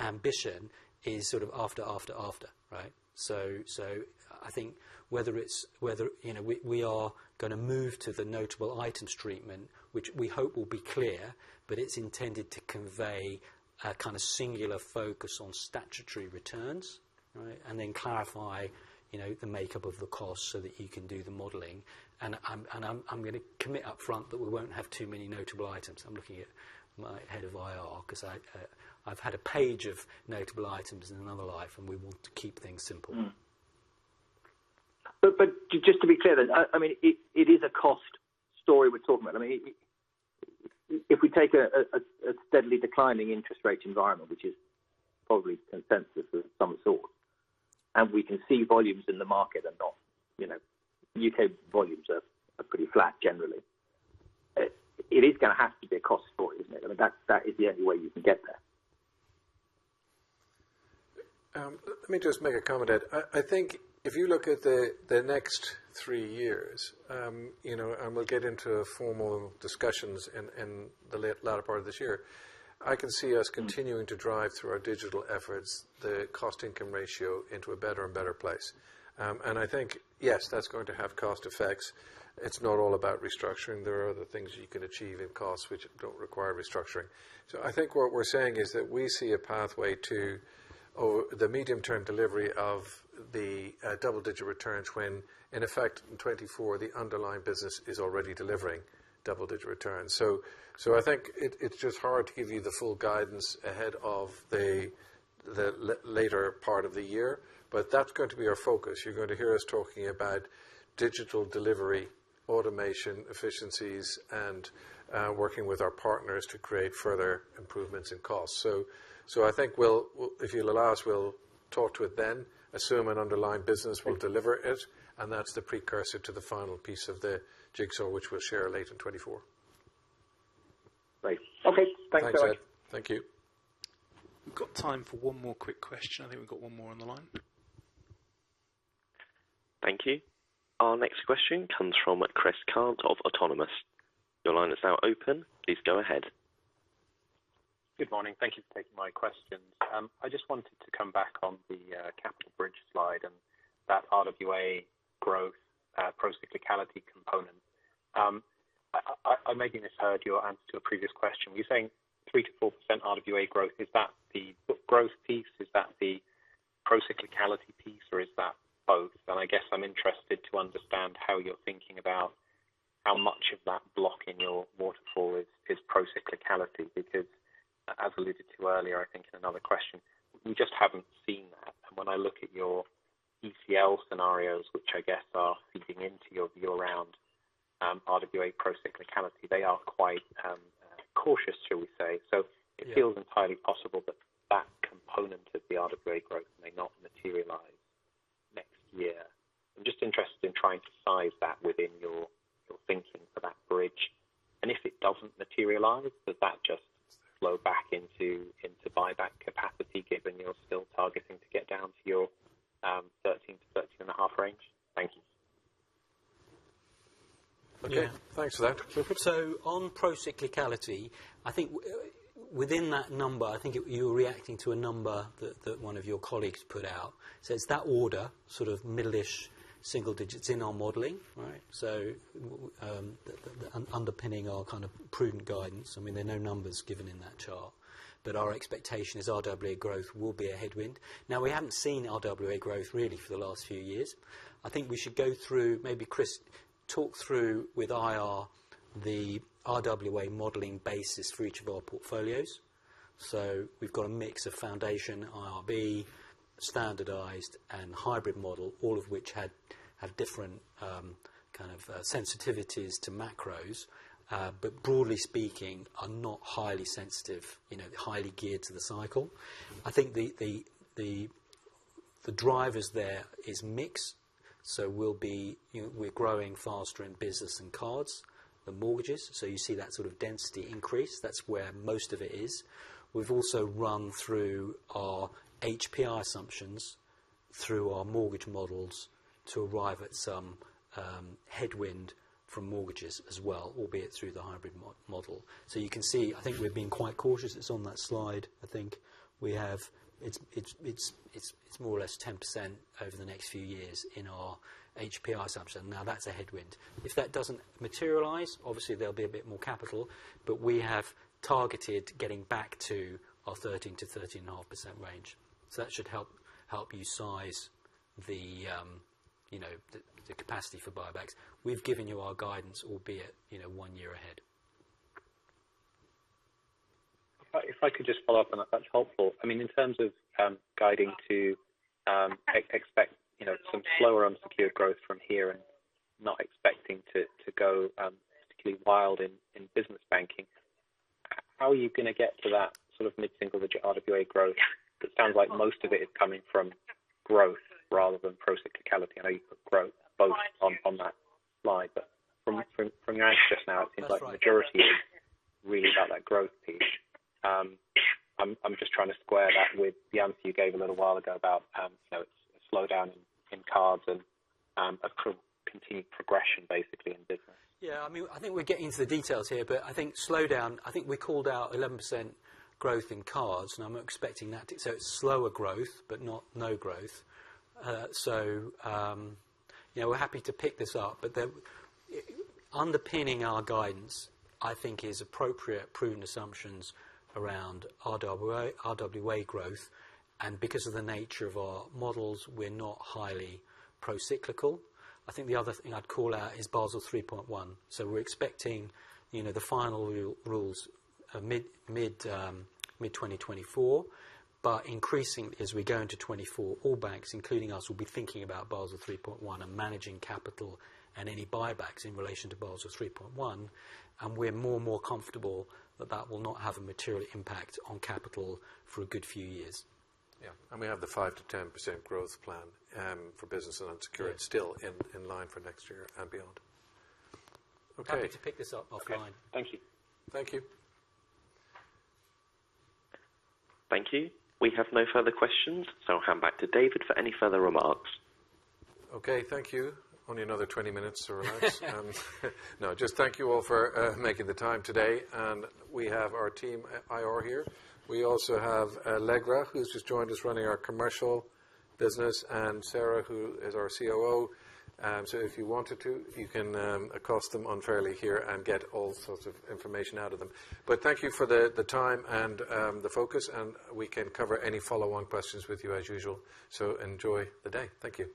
ambition is sort of after, after, after, right? So, so I think whether it's, whether—you know, we, we are gonna move to the notable items treatment, which we hope will be clear, but it's intended to convey a kind of singular focus on statutory returns, right? And then clarify, you know, the makeup of the cost so that you can do the modeling. And I'm gonna commit up front that we won't have too many notable items. I'm looking at my head of IR, 'cause I, I've had a page of notable items in another life, and we want to keep things simple. But just to be clear then, I mean, it is a cost story we're talking about. I mean, if we take a steadily declining interest rate environment, which is probably consensus of some sort, and we can see volumes in the market are not, you know, UK volumes are pretty flat generally. It is gonna have to be a cost story, isn't it? I mean, that's, that is the only way you can get there. Let me just make a comment there. I think if you look at the next three years, you know, and we'll get into formal discussions in the latter part of this year, I can see us continuing to drive through our digital efforts, the cost income ratio into a better and better place. And I think, yes, that's going to have cost effects. It's not all about restructuring. There are other things you can achieve in costs which don't require restructuring. So I think what we're saying is that we see a pathway to, oh, the medium-term delivery of the double digit returns when, in effect, in 2024, the underlying business is already delivering double digit returns. So, I think it's just hard to give you the full guidance ahead of the later part of the year, but that's going to be our focus. You're going to hear us talking about digital delivery, automation, efficiencies, and working with our partners to create further improvements in cost. So, I think we'll—If you'll allow us, we'll talk to it then, assume an underlying business will deliver it, and that's the precursor to the final piece of the jigsaw, which we'll share late in 2024. Great. Okay. Thanks very much. Thanks, Ed. Thank you. We've got time for one more quick question. I think we've got one more on the line. Thank you. Our next question comes from Chris Cant of Autonomous. Your line is now open. Please go ahead. Good morning. Thank you for taking my questions. I just wanted to come back on the capital bridge slide and that RWA growth procyclicality component. I maybe misheard your answer to a previous question. Were you saying 3%-4% RWA growth, is that the growth piece, is that the procyclicality piece, or is that both? And I guess I'm interested to understand how you're thinking about how much of that block in your waterfall is procyclicality, because as alluded to earlier, I think in another question, we just haven't seen that. And when I look at your ECL scenarios, which I guess are feeding into your view around RWA procyclicality, they are quite cautious, shall we say. Yeah. So it feels entirely possible that that component of the RWA growth may not materialize next year. I'm just interested in trying to size that within your, your thinking for that bridge. And if it doesn't materialize, does that just flow back into, into buyback capacity, given you're still targeting to get down to your 13-13.5 range? Thank you. Okay. Thanks for that. So on procyclicality, I think within that number, I think you, you're reacting to a number that, that one of your colleagues put out. So it's that order, sort of middle-ish, single digits in our modeling. Right. So, underpinning our kind of prudent guidance, I mean, there are no numbers given in that chart, but our expectation is RWA growth will be a headwind. Now, we haven't seen RWA growth, really, for the last few years. I think we should go through, maybe Chris, talk through with IR, the RWA modeling basis for each of our portfolios. So we've got a mix of Foundation IRB, standardized, and hybrid model, all of which have different kind of sensitivities to macros, but broadly speaking, are not highly sensitive, you know, highly geared to the cycle. I think the drivers there is mix, so we'll be... You know, we're growing faster in business than cards and mortgages, so you see that sort of density increase. That's where most of it is. We've also run through our HPI assumptions through our mortgage models to arrive at some headwind from mortgages as well, albeit through the hybrid model. So you can see, I think we're being quite cautious. It's on that slide, I think. We have— It's more or less 10% over the next few years in our HPI assumption. Now, that's a headwind. If that doesn't materialize, obviously there'll be a bit more capital, but we have targeted getting back to our 13%-13.5% range. So that should help you size the, you know, the capacity for buybacks. We've given you our guidance, albeit, you know, one year ahead. If I could just follow up on that, that's helpful. I mean, in terms of guiding to expect, you know, some slower unsecured growth from here and not expecting to go particularly wild in business banking, how are you gonna get to that sort of mid-single digit RWA growth? That sounds like most of it is coming from growth rather than procyclicality. I know you put growth both on that slide, but from your answer just now. That's right. It seems like the majority is really about that growth piece. I'm just trying to square that with the answer you gave a little while ago about, you know, slowdown in cards and a continued progression, basically, in business. Yeah, I mean, I think we're getting into the details here, but I think slowdown, I think we called out 11% growth in cards, and I'm expecting that. So it's slower growth, but not no growth. So, you know, we're happy to pick this up, but the underpinning our guidance, I think, is appropriate prudent assumptions around RWA, RWA growth, and because of the nature of our models, we're not highly procyclical. I think the other thing I'd call out is Basel 3.1. So we're expecting, you know, the final rules mid-2024, but increasing as we go into 2024. All banks, including us, will be thinking about Basel 3.1 and managing capital and any buybacks in relation to Basel 3.1, and we're more and more comfortable that that will not have a material impact on capital for a good few years. Yeah, and we have the 5%-10% growth plan for business and unsecured still in line for next year and beyond. Okay. Happy to pick this up offline. Thank you. Thank you. Thank you. We have no further questions, so I'll hand back to David for any further remarks. Okay, thank you. Only another 20 minutes to relax. No, just thank you all for making the time today. And we have our team, IR, here. We also have Allegra, who's just joined us running our commercial business, and Sarah, who is our COO. So if you wanted to, you can accost them unfairly here and get all sorts of information out of them. But thank you for the time and the focus, and we can cover any follow-on questions with you as usual. So enjoy the day. Thank you.